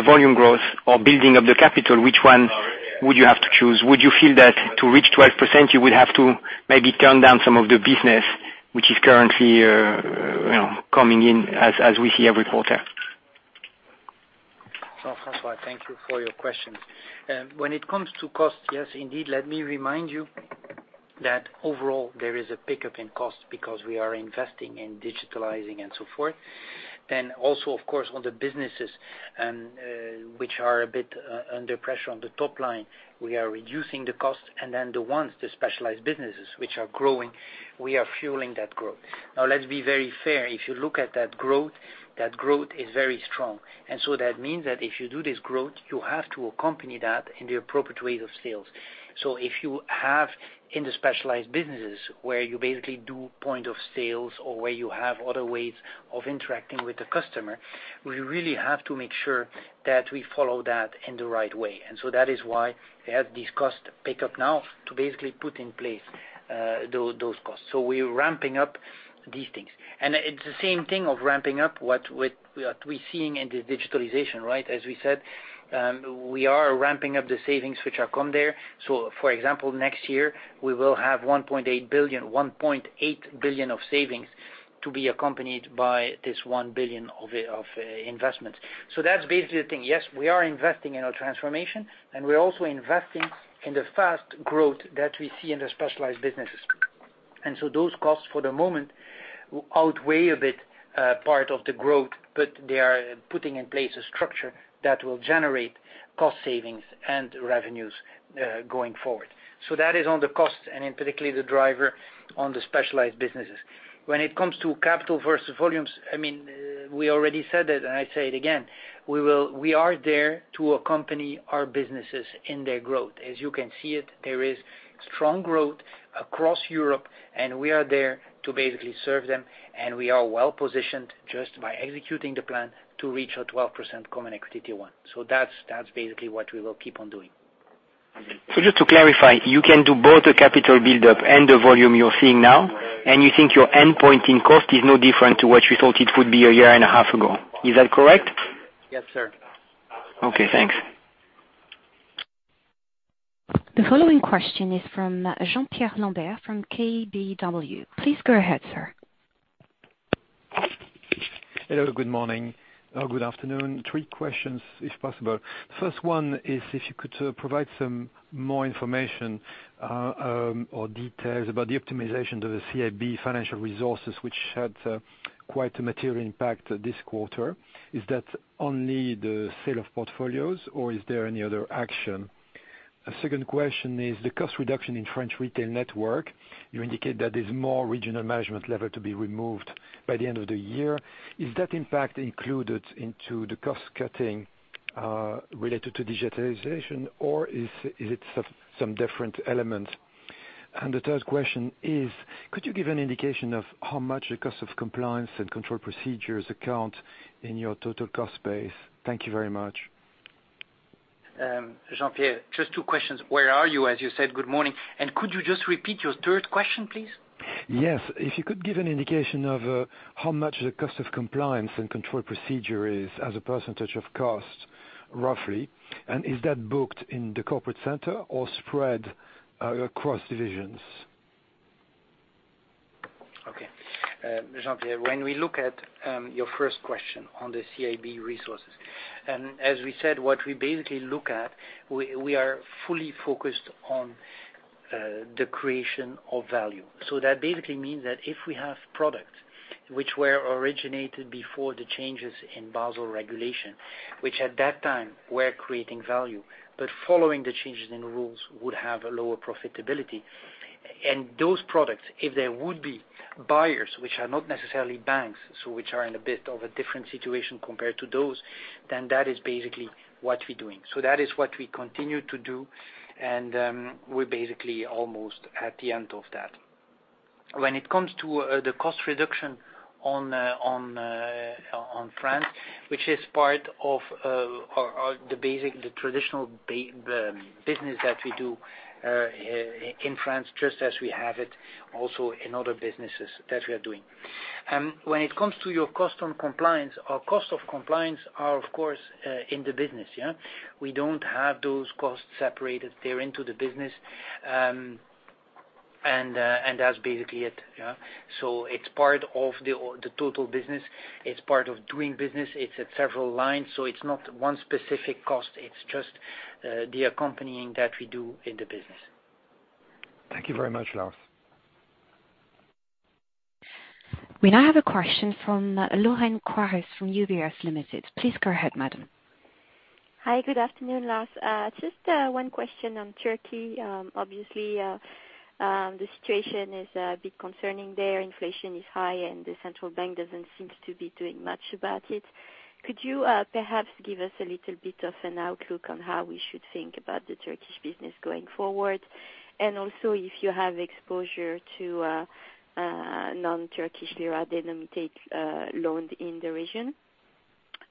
volume growth or building up the capital, which one would you have to choose? Would you feel that to reach 12%, you would have to maybe turn down some of the business which is currently coming in as we see every quarter? Jean-Francois, thank you for your questions. When it comes to cost, yes, indeed, let me remind you that overall, there is a pickup in cost because we are investing in digitalizing and so forth. Also, of course, on the businesses which are a bit under pressure on the top line, we are reducing the cost, and then the ones, the specialized businesses, which are growing, we are fueling that growth. Let's be very fair. If you look at that growth, that growth is very strong. That means that if you do this growth, you have to accompany that in the appropriate ways of sales. If you have in the specialized businesses where you basically do point of sales or where you have other ways of interacting with the customer, we really have to make sure that we follow that in the right way. That is why we have this cost pickup now to basically put in place those costs. We're ramping up these things. It's the same thing of ramping up what we're seeing in the digitalization, right? As we said, we are ramping up the savings which have come there. For example, next year, we will have 1.8 billion of savings to be accompanied by this 1 billion of investment. That's basically the thing. We are investing in our transformation, and we're also investing in the fast growth that we see in the specialized businesses. Those costs for the moment outweigh a bit part of the growth, but they are putting in place a structure that will generate cost savings and revenues going forward. That is on the cost and in particularly the driver on the specialized businesses. When it comes to capital versus volumes, we already said it, and I say it again, we are there to accompany our businesses in their growth. As you can see it, there is strong growth across Europe, and we are there to basically serve them, and we are well-positioned just by executing the plan to reach our 12% Common Equity Tier 1. That's basically what we will keep on doing. Just to clarify, you can do both the capital buildup and the volume you're seeing now, and you think your end point in cost is no different to what you thought it would be a year and a half ago. Is that correct? Yes, sir. Okay, thanks. The following question is from Jean-Pierre Lambert from KBW. Please go ahead, sir. Hello, good morning. Good afternoon. Three questions, if possible. First one is if you could provide some more information or details about the optimization of the CIB financial resources, which had quite a material impact this quarter. Is that only the sale of portfolios, or is there any other action? A second question is the cost reduction in French retail network. You indicate that there's more regional management level to be removed by the end of the year. Is that impact included into the cost-cutting related to digitalization, or is it some different element? The third question is, could you give an indication of how much the cost of compliance and control procedures account in your total cost base? Thank you very much. Jean-Pierre, just two questions. Where are you, as you said, good morning. Could you just repeat your third question, please? Yes. If you could give an indication of how much the cost of compliance and control procedure is as a % of cost, roughly. Is that booked in the corporate center or spread across divisions? Okay. Jean-Pierre, when we look at your first question on the CIB resources, as we said, what we basically look at, we are fully focused on the creation of value. That basically means that if we have product which were originated before the changes in Basel regulation, which at that time were creating value, but following the changes in rules would have a lower profitability. Those products, if there would be buyers, which are not necessarily banks, which are in a bit of a different situation compared to those, that is basically what we're doing. That is what we continue to do, and we're basically almost at the end of that. When it comes to the cost reduction on France, which is part of the traditional business that we do in France, just as we have it also in other businesses that we are doing. When it comes to your cost on compliance, our cost of compliance are, of course, in the business. We don't have those costs separated. They're into the business, and that's basically it. It's part of the total business. It's part of doing business. It's at several lines. It's not one specific cost. It's just the accompanying that we do in the business. Thank you very much, Lars. We now have a question from Lorraine Quoirez from UBS Limited. Please go ahead, madam. Hi, good afternoon, Lars. Just one question on Turkey. Obviously, the situation is a bit concerning there. Inflation is high, the central bank doesn't seem to be doing much about it. Could you perhaps give us a little bit of an outlook on how we should think about the Turkish business going forward? Also, if you have exposure to non-Turkish lira-denominated loans in the region.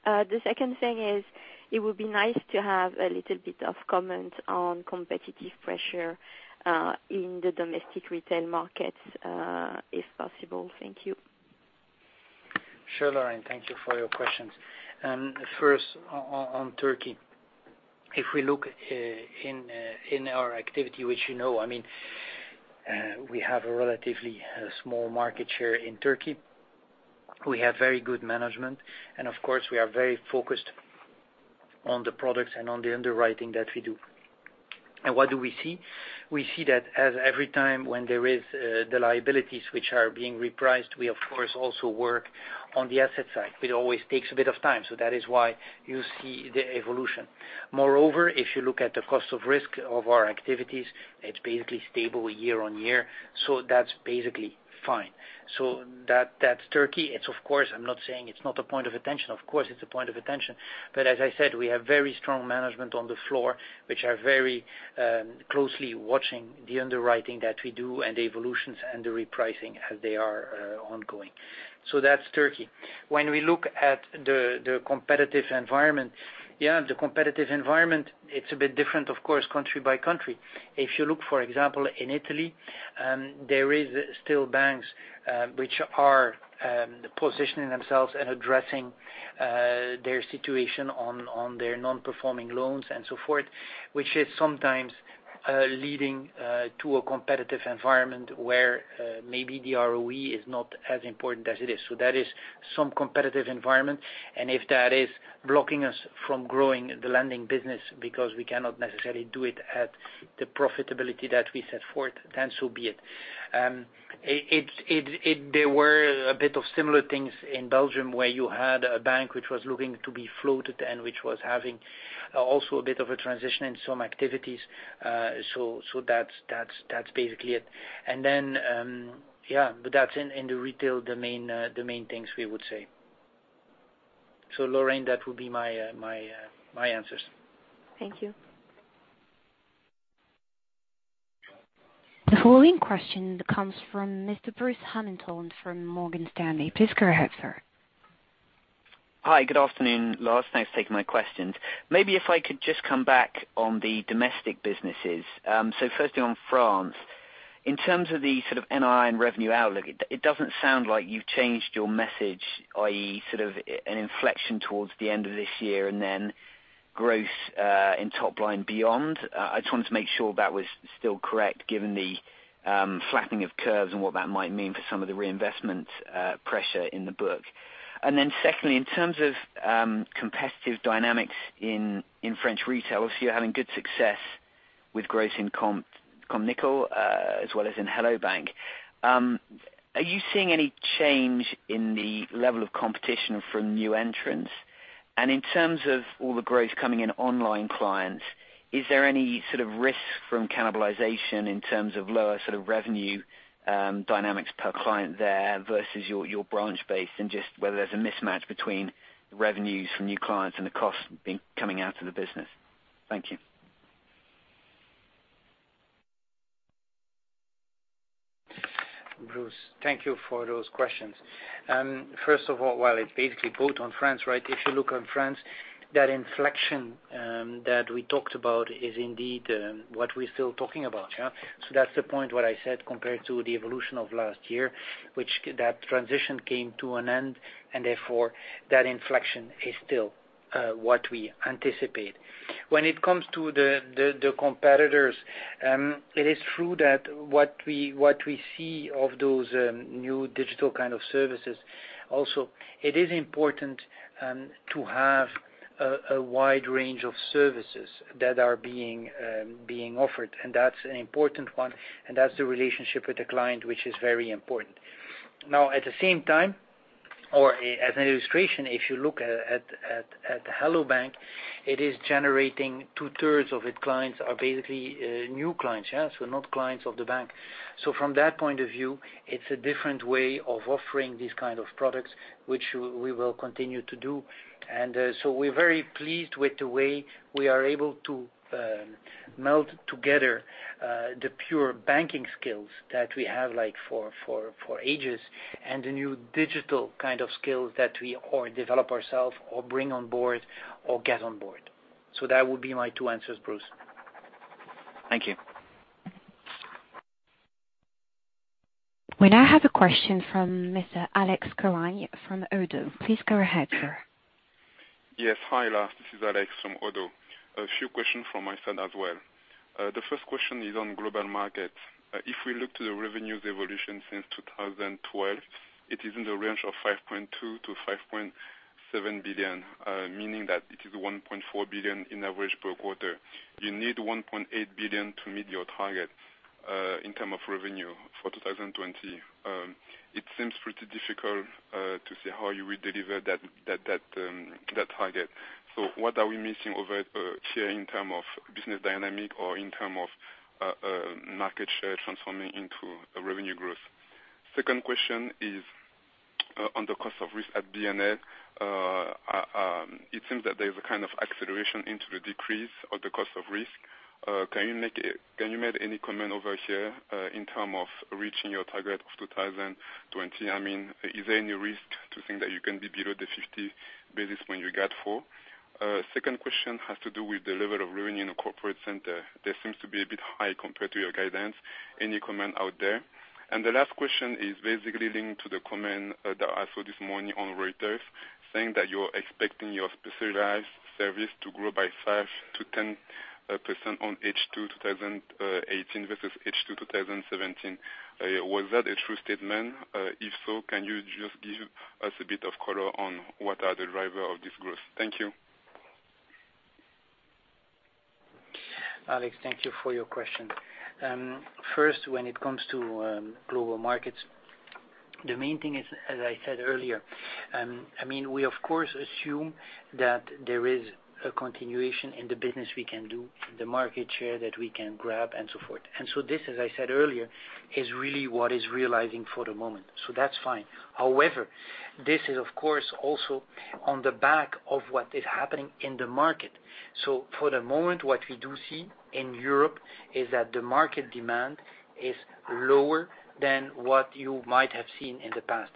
The second thing is, it would be nice to have a little bit of comment on competitive pressure in the domestic retail markets, if possible. Thank you. Sure, Lorraine. Thank you for your questions. First, on Turkey. If we look in our activity, which you know, we have a relatively small market share in Turkey. We have very good management, and of course, we are very focused on the products and on the underwriting that we do. What do we see? We see that as every time when there is the liabilities which are being repriced, we of course also work on the asset side. It always takes a bit of time. That is why you see the evolution. Moreover, if you look at the cost of risk of our activities, it's basically stable year-over-year. That's basically fine. That's Turkey. I'm not saying it's not a point of attention. Of course, it's a point of attention. As I said, we have very strong management on the floor, which are very closely watching the underwriting that we do and the evolutions and the repricing as they are ongoing. That's Turkey. When we look at the competitive environment, it's a bit different, of course, country by country. If you look, for example, in Italy, there is still banks which are positioning themselves and addressing their situation on their non-performing loans and so forth, which is sometimes leading to a competitive environment where maybe the ROE is not as important as it is. That is some competitive environment, and if that is blocking us from growing the lending business because we cannot necessarily do it at the profitability that we set forth, then so be it. There were a bit of similar things in Belgium where you had a bank which was looking to be floated and which was having also a bit of a transition in some activities. That's basically it. That's in the retail domain things we would say. Lorraine, that would be my answers. Thank you. The following question comes from Mr. Bruce Hamilton from Morgan Stanley. Please go ahead, sir. Hi, good afternoon, Lars. Thanks for taking my questions. Firstly on France, in terms of the sort of NII and revenue outlook, it doesn't sound like you've changed your message, i.e., sort of an inflection towards the end of this year and then growth in top line beyond. I just wanted to make sure that was still correct given the flattening of curves and what that might mean for some of the reinvestment pressure in the book. Secondly, in terms of competitive dynamics in French retail, obviously you're having good success with growth in Compte Nickel as well as in Hello bank! Are you seeing any change in the level of competition from new entrants? In terms of all the growth coming in online clients, is there any sort of risk from cannibalization in terms of lower sort of revenue dynamics per client there versus your branch base and just whether there's a mismatch between the revenues from new clients and the cost coming out of the business. Thank you. Bruce, thank you for those questions. First of all, while it's basically both on France, if you look on France, that inflection that we talked about is indeed what we're still talking about. That's the point what I said compared to the evolution of last year, which that transition came to an end, and therefore that inflection is still what we anticipate. When it comes to the competitors, it is true that what we see of those new digital kind of services, also, it is important to have a wide range of services that are being offered. That's an important one, and that's the relationship with the client, which is very important. Now, at the same time, or as an illustration, if you look at Hello bank! it is generating two-thirds of its clients are basically new clients. Not clients of the bank. From that point of view, it's a different way of offering these kind of products, which we will continue to do. We're very pleased with the way we are able to melt together the pure banking skills that we have for ages and the new digital kind of skills that we or develop ourselves or bring on board or get on board. That would be my two answers, Bruce. Thank you. We now have a question from Mr. Alex Koagne from ODDO. Please go ahead, sir. Hi, Lars. This is Alex from ODDO. A few questions from my side as well. The first question is on Global Markets. If we look to the revenues evolution since 2012, it is in the range of 5.2 billion-5.7 billion, meaning that it is 1.4 billion in average per quarter. You need 1.8 billion to meet your target in term of revenue for 2020. It seems pretty difficult to see how you will deliver that target. What are we missing over here in term of business dynamic or in term of market share transforming into revenue growth? Second question is on the cost of risk at BNL. It seems that there is a kind of acceleration into the decrease of the cost of risk. Can you make any comment over here in term of reaching your target of 2020? Is there any risk to think that you can be below the 50 basis point you got for? Second question has to do with the level of revenue in a corporate center. That seems to be a bit high compared to your guidance. Any comment out there? The last question is basically linked to the comment that I saw this morning on Reuters saying that you're expecting your Specialized Services to grow by 5%-10% on H2 2018 versus H2 2017. Was that a true statement? If so, can you just give us a bit of color on what are the driver of this growth? Thank you. Alex, thank you for your question. First, when it comes to global markets, the main thing is, as I said earlier, we, of course, assume that there is a continuation in the business we can do, the market share that we can grab and so forth. This, as I said earlier, is really what is realizing for the moment. That's fine. However, this is of course also on the back of what is happening in the market. For the moment, what we do see in Europe is that the market demand is lower than what you might have seen in the past.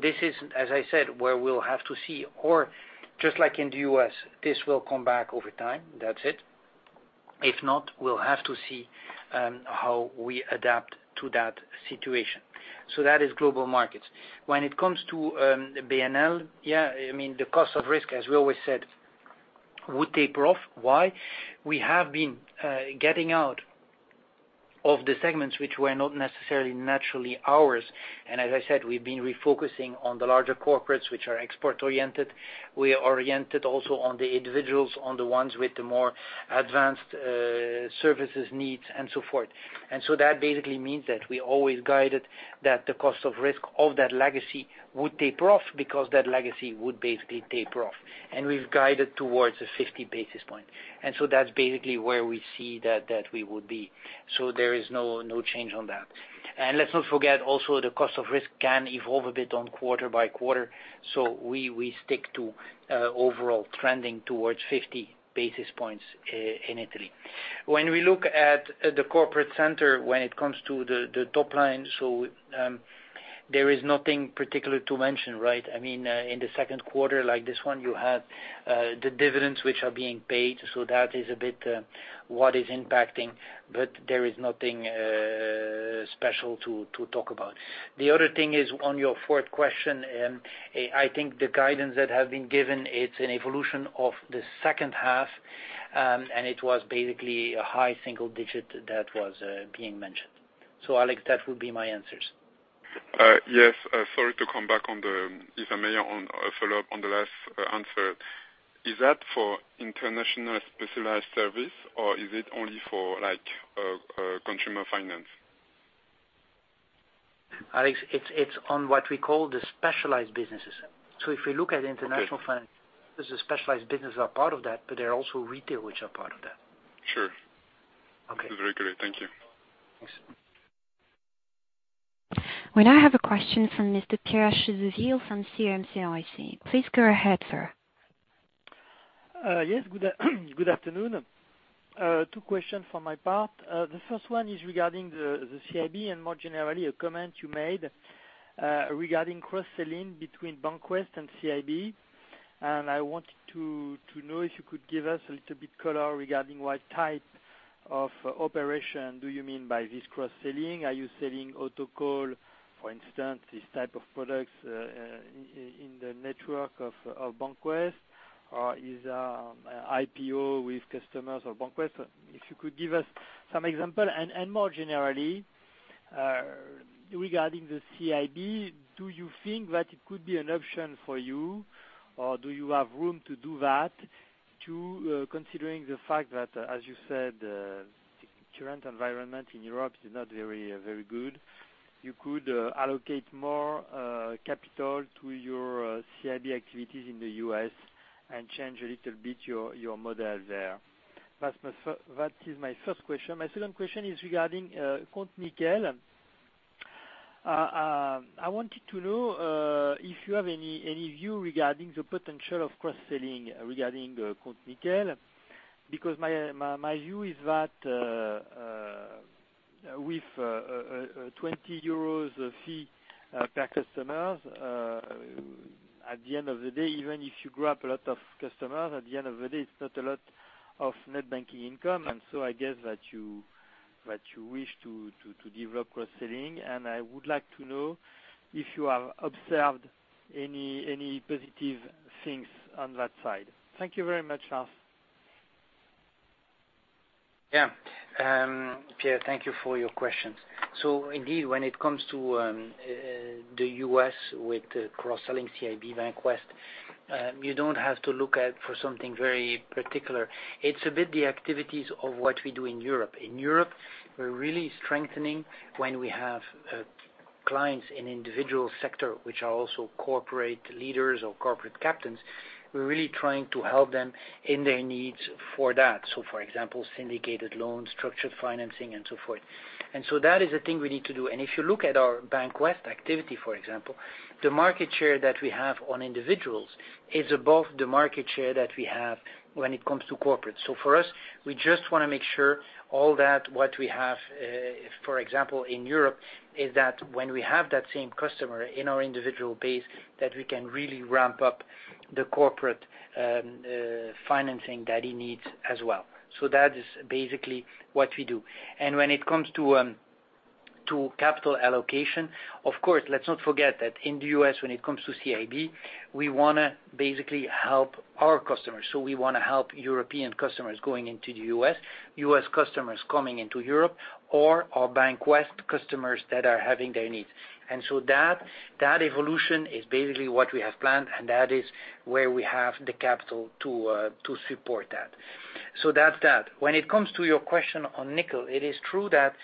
This is, as I said, where we'll have to see, or just like in the U.S., this will come back over time. That's it. If not, we'll have to see how we adapt to that situation. That is global markets. When it comes to BNL, the cost of risk, as we always said, would taper off. Why? We have been getting out of the segments which were not necessarily naturally ours. As I said, we've been refocusing on the larger corporates, which are export-oriented. We are oriented also on the individuals, on the ones with the more advanced services needs and so forth. That basically means that we always guided that the cost of risk of that legacy would taper off because that legacy would basically taper off, and we've guided towards the 50 basis point. That's basically where we see that we would be. There is no change on that. Let's not forget also the cost of risk can evolve a bit on quarter by quarter. We stick to overall trending towards 50 basis points in Italy. When we look at the corporate center, when it comes to the top line, there is nothing particular to mention. In the second quarter like this one, you have the dividends which are being paid. That is a bit what is impacting, but there is nothing special to talk about. The other thing is on your fourth question, I think the guidance that has been given, it's an evolution of the second half, and it was basically a high single digit that was being mentioned. Alex, that would be my answers. Yes. Sorry to come back on the, if I may, on a follow-up on the last answer. Is that for international specialized service, or is it only for consumer finance? Alex, it's on what we call the specialized businesses. If you look at international finance, there's a specialized business are part of that, but there are also retail which are part of that. Sure. Okay. That's very clear. Thank you. Thanks. We now have a question from Mr. Pierre Chédeville from CIC. Please go ahead, sir. Yes. Good afternoon. Two questions for my part. The first one is regarding the CIB and more generally, a comment you made regarding cross-selling between Bank of the West and CIB. I wanted to know if you could give us a little bit color regarding what type of operation do you mean by this cross-selling. Are you selling auto call, for instance, these type of products in the network of Bank of the West, or is IPO with customers of Bank of the West? If you could give us some example. More generally, regarding the CIB, do you think that it could be an option for you, or do you have room to do that, considering the fact that, as you said, the current environment in Europe is not very good. You could allocate more capital to your CIB activities in the U.S. and change a little bit your model there. That is my first question. My second question is regarding Compte Nickel. I wanted to know if you have any view regarding the potential of cross-selling regarding Compte Nickel, because my view is that with 20 euros fee per customer, at the end of the day, even if you grab a lot of customers, at the end of the day, it's not a lot of net banking income. I guess that you wish to develop cross-selling, and I would like to know if you have observed any positive things on that side. Thank you very much, Lars. Pierre, thank you for your questions. Indeed, when it comes to the U.S. with cross-selling CIB Bank of the West, you don't have to look at for something very particular. It's a bit the activities of what we do in Europe. In Europe, we're really strengthening when we have clients in individual sector, which are also corporate leaders or corporate captains. We're really trying to help them in their needs for that. For example, syndicated loans, structured financing, and so forth. That is a thing we need to do. If you look at our Bank of the West activity, for example, the market share that we have on individuals is above the market share that we have when it comes to corporate. For us, we just want to make sure all that, what we have, for example, in Europe, is that when we have that same customer in our individual base, that we can really ramp up the corporate financing that he needs as well. That is basically what we do. When it comes to capital allocation, of course, let's not forget that in the U.S., when it comes to CIB, we want to basically help our customers. We want to help European customers going into the U.S., U.S. customers coming into Europe, or our Bank of the West customers that are having their needs. That evolution is basically what we have planned, and that is where we have the capital to support that. That's that. When it comes to your question on Nickel, it is true that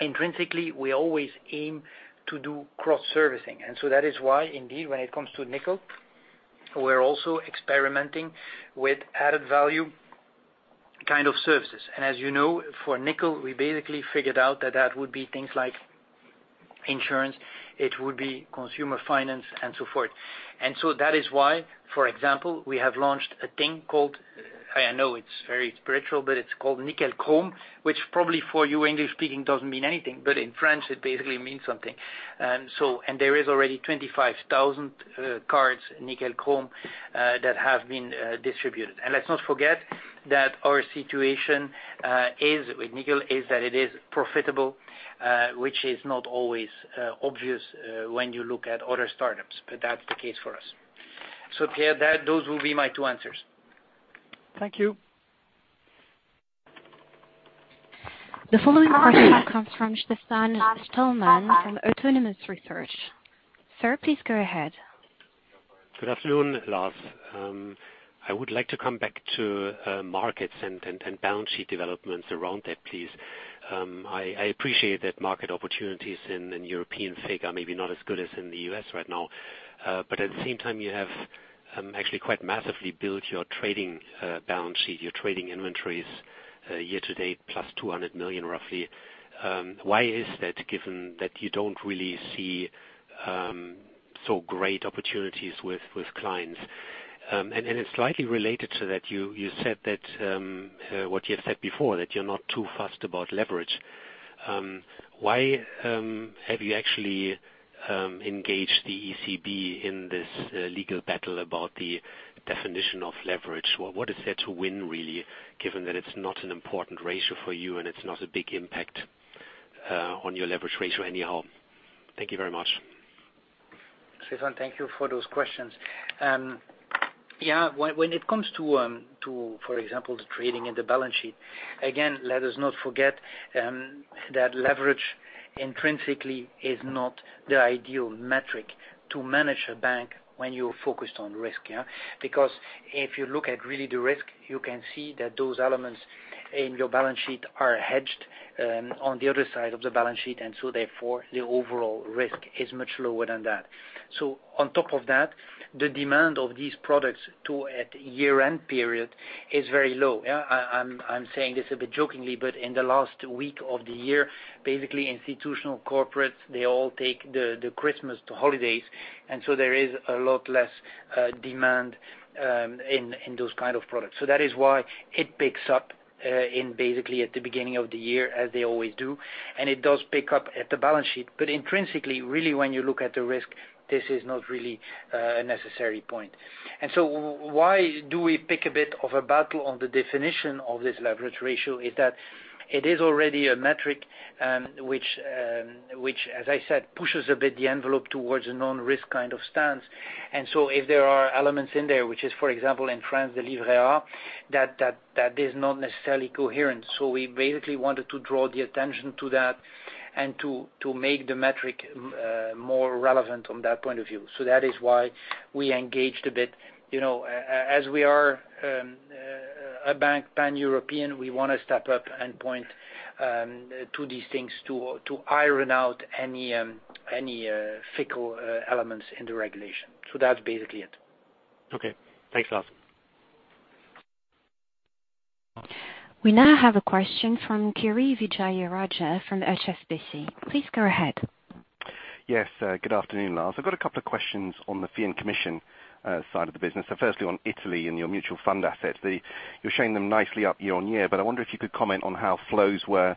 intrinsically we always aim to do cross-servicing. That is why, indeed, when it comes to Nickel, we're also experimenting with added value kind of services. As you know, for Nickel, we basically figured out that that would be things like insurance, it would be consumer finance, and so forth. That is why, for example, we have launched a thing called, I know it's very spiritual, but it's called Nickel Chrome, which probably for you English-speaking doesn't mean anything, but in French it basically means something. There is already 25,000 cards, Nickel Chrome, that have been distributed. Let's not forget that our situation with Nickel is that it is profitable, which is not always obvious when you look at other startups, but that's the case for us. Pierre, those will be my two answers. Thank you. The following question comes from Stefan Stalmann from Autonomous Research. Sir, please go ahead. Good afternoon, Lars. I would like to come back to markets and balance sheet developments around that, please. I appreciate that market opportunities in European FIG are maybe not as good as in the U.S. right now. At the same time, you have actually quite massively built your trading balance sheet, your trading inventories year to date, plus 200 million, roughly. Why is that, given that you don't really see so great opportunities with clients? It's slightly related to that, what you have said before, that you're not too fussed about leverage. Why have you actually engaged the ECB in this legal battle about the definition of leverage? What is there to win, really, given that it's not an important ratio for you and it's not a big impact on your leverage ratio anyhow? Thank you very much. Stefan, thank you for those questions. When it comes to, for example, the trading and the balance sheet, again, let us not forget that leverage intrinsically is not the ideal metric to manage a bank when you are focused on risk. If you look at really the risk, you can see that those elements in your balance sheet are hedged on the other side of the balance sheet. Therefore, the overall risk is much lower than that. On top of that, the demand of these products to at year-end period is very low. I'm saying this a bit jokingly, but in the last week of the year, basically institutional corporates, they all take the Christmas holidays. There is a lot less demand in those kind of products. That is why it picks up in basically at the beginning of the year, as they always do, and it does pick up at the balance sheet. Intrinsically, really, when you look at the risk, this is not really a necessary point. Why do we pick a bit of a battle on the definition of this leverage ratio is that it is already a metric, which, as I said, pushes a bit the envelope towards a non-risk kind of stance. If there are elements in there, which is, for example, in France, the Livret A, that is not necessarily coherent. We basically wanted to draw the attention to that and to make the metric more relevant from that point of view. That is why we engaged a bit. As we are a bank, pan-European, we want to step up and point to these things to iron out any fickle elements in the regulation. That's basically it. Okay. Thanks, Lars. We now have a question from Kirishanthan Vijayarajah from HSBC. Please go ahead. Yes. Good afternoon, Lars. I've got a couple of questions on the fee and commission side of the business. Firstly, on Italy and your mutual fund assets. You're showing them nicely up year-over-year. I wonder if you could comment on how flows were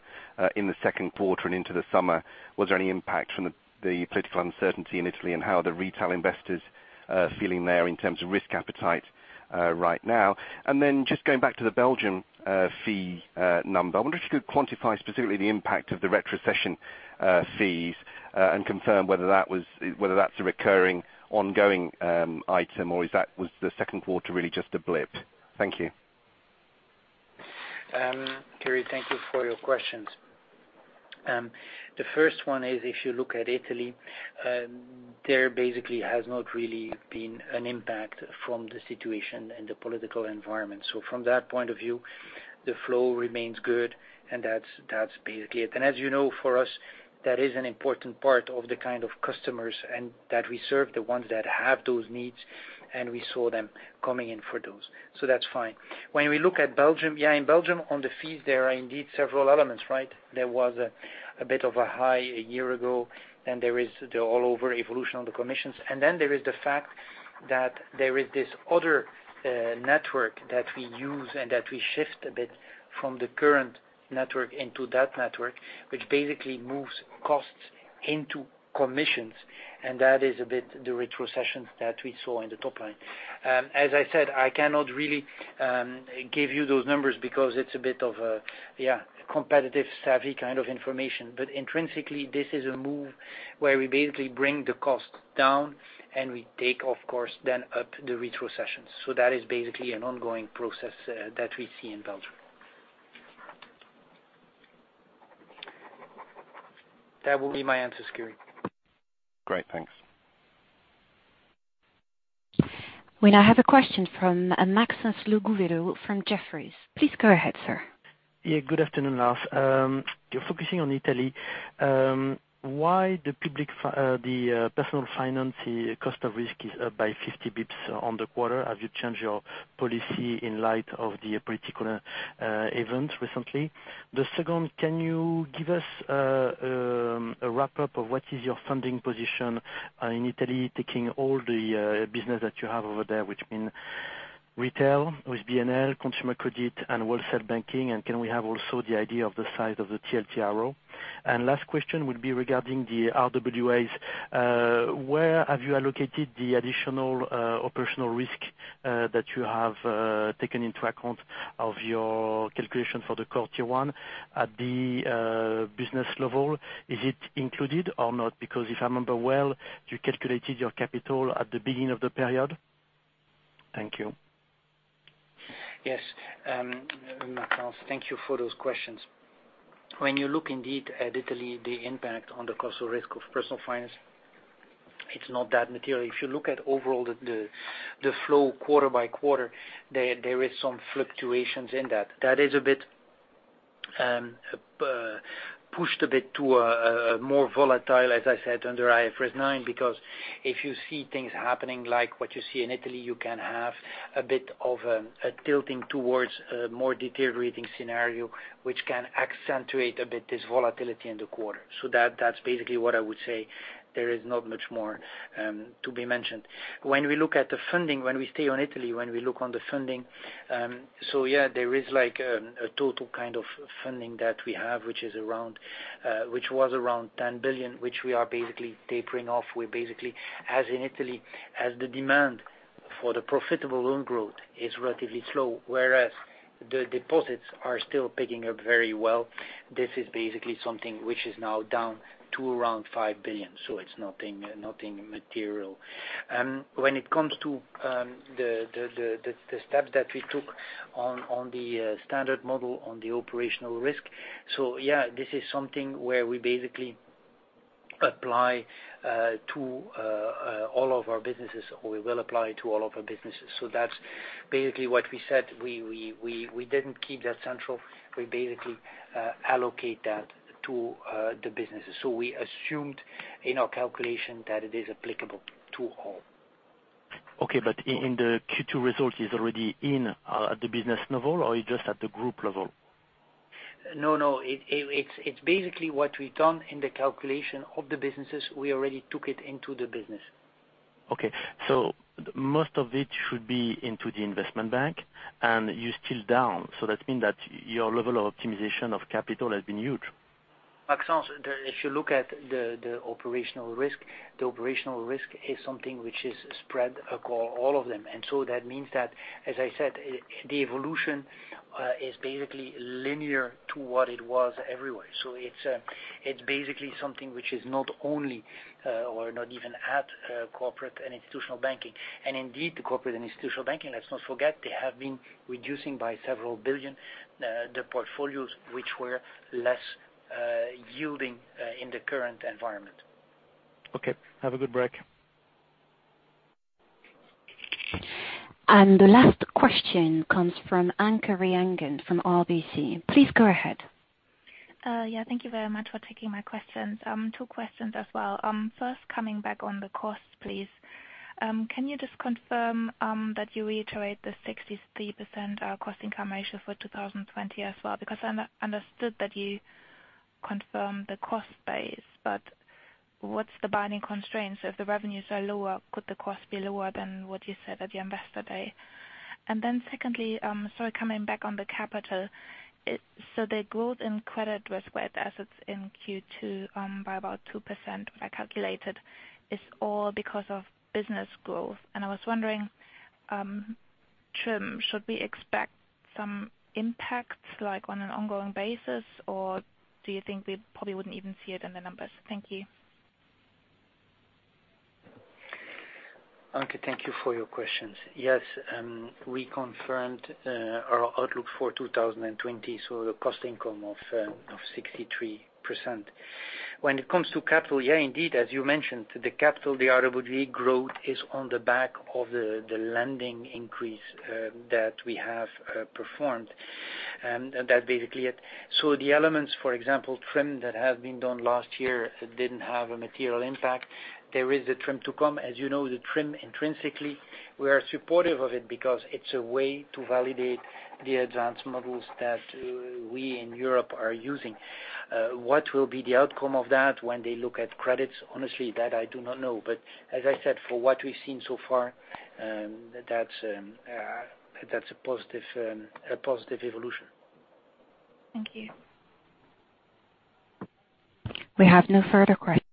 in the second quarter and into the summer. Was there any impact from the political uncertainty in Italy and how the retail investors are feeling there in terms of risk appetite right now? Just going back to the Belgium fee number, I wonder if you could quantify specifically the impact of the retrocession fees and confirm whether that's a recurring ongoing item, or was the second quarter really just a blip? Thank you. Kiri, thank you for your questions. The first one is, if you look at Italy, there basically has not really been an impact from the situation and the political environment. From that point of view, the flow remains good, and that's basically it. As you know, for us, that is an important part of the kind of customers that we serve, the ones that have those needs, and we saw them coming in for those. That's fine. When we look at Belgium, in Belgium, on the fees, there are indeed several elements. There was a bit of a high a year ago, and there is the all-over evolution on the commissions. There is the fact that there is this other network that we use and that we shift a bit from the current network into that network, which basically moves costs into commissions, and that is a bit the retrocessions that we saw in the top line. As I said, I cannot really give you those numbers because it's a bit of a competitive savvy kind of information. Intrinsically, this is a move where we basically bring the cost down and we take, of course, then up the retrocessions. That is basically an ongoing process that we see in Belgium. That will be my answer, Kiri. Great. Thanks. We now have a question from Maxence le Gouvello from Jefferies. Please go ahead, sir. Yeah. Good afternoon, Lars. You're focusing on Italy. Why the personal finance cost of risk is up by 50 basis points on the quarter? Have you changed your policy in light of the political event recently? The second, can you give us a wrap-up of what is your funding position in Italy, taking all the business that you have over there, which means retail with BNL, consumer credit, and wholesale banking, and can we have also the idea of the size of the TLTRO? Last question would be regarding the RWAs. Where have you allocated the additional operational risk that you have taken into account of your calculation for the quarter one at the business level? Is it included or not? If I remember well, you calculated your capital at the beginning of the period. Thank you. Yes. Maxence, thank you for those questions. When you look indeed at Italy, the impact on the cost of risk of personal finance, it's not that material. If you look at overall the flow quarter by quarter, there is some fluctuations in that. That is a bit pushed a bit to a more volatile, as I said, under IFRS 9, because if you see things happening like what you see in Italy, you can have a bit of a tilting towards a more deteriorating scenario, which can accentuate a bit this volatility in the quarter. That's basically what I would say. There is not much more to be mentioned. When we look at the funding, when we stay on Italy, when we look on the funding, yeah, there is a total kind of funding that we have, which was around 10 billion, which we are basically tapering off. We basically, as in Italy, as the demand for the profitable loan growth is relatively slow, whereas the deposits are still picking up very well. This is basically something which is now down to around 5 billion, so it's nothing material. When it comes to the steps that we took on the standard model on the operational risk, yeah, this is something where we basically apply to all of our businesses, or we will apply to all of our businesses. That's basically what we said. We didn't keep that central. We basically allocate that to the businesses. We assumed in our calculation that it is applicable to all. Okay, in the Q2 result is already in at the business level or it's just at the group level? No, it's basically what we've done in the calculation of the businesses, we already took it into the business. Okay. Most of it should be into the investment bank and you're still down. That mean that your level of optimization of capital has been huge. Maxence, if you look at the operational risk, the operational risk is something which is spread across all of them. That means that as I said, the evolution is basically linear to what it was everywhere. It's basically something which is not only, or not even at corporate and institutional banking, and indeed the corporate institutional banking, let's not forget, they have been reducing by several billion, the portfolios which were less yielding in the current environment. Okay. Have a good break. The last question comes from Anke Reingen from RBC. Please go ahead. Thank you very much for taking my questions. Two questions as well. First, coming back on the costs, please. Can you just confirm that you reiterate the 63% cost income ratio for 2020 as well, because understood that you confirm the cost base, but what's the binding constraints? If the revenues are lower, could the cost be lower than what you said at the investor day? Secondly, sorry, coming back on the capital. The growth in credit risk-weighted assets in Q2, by about 2%, what I calculated, is all because of business growth. I was wondering, should we expect some impacts like on an ongoing basis or do you think we probably wouldn't even see it in the numbers? Thank you. Anke, thank you for your questions. Yes. We confirmed our outlook for 2020, so the cost income of 63%. When it comes to capital, indeed, as you mentioned, the capital, the RWA growth is on the back of the lending increase that we have performed. That's basically it. The elements, for example, TRIM that have been done last year didn't have a material impact. There is a TRIM to come. As you know, the TRIM intrinsically, we are supportive of it because it's a way to validate the advanced models that we in Europe are using. What will be the outcome of that when they look at credits? Honestly, that I do not know. As I said, for what we've seen so far, that's a positive evolution. Thank you. We have no further questions.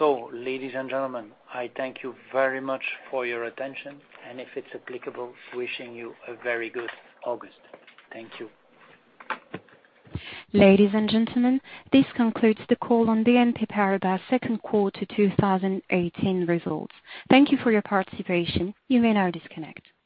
Ladies and gentlemen, I thank you very much for your attention, and if it's applicable, wishing you a very good August. Thank you. Ladies and gentlemen, this concludes the call on BNP Paribas second quarter 2018 results. Thank you for your participation. You may now disconnect.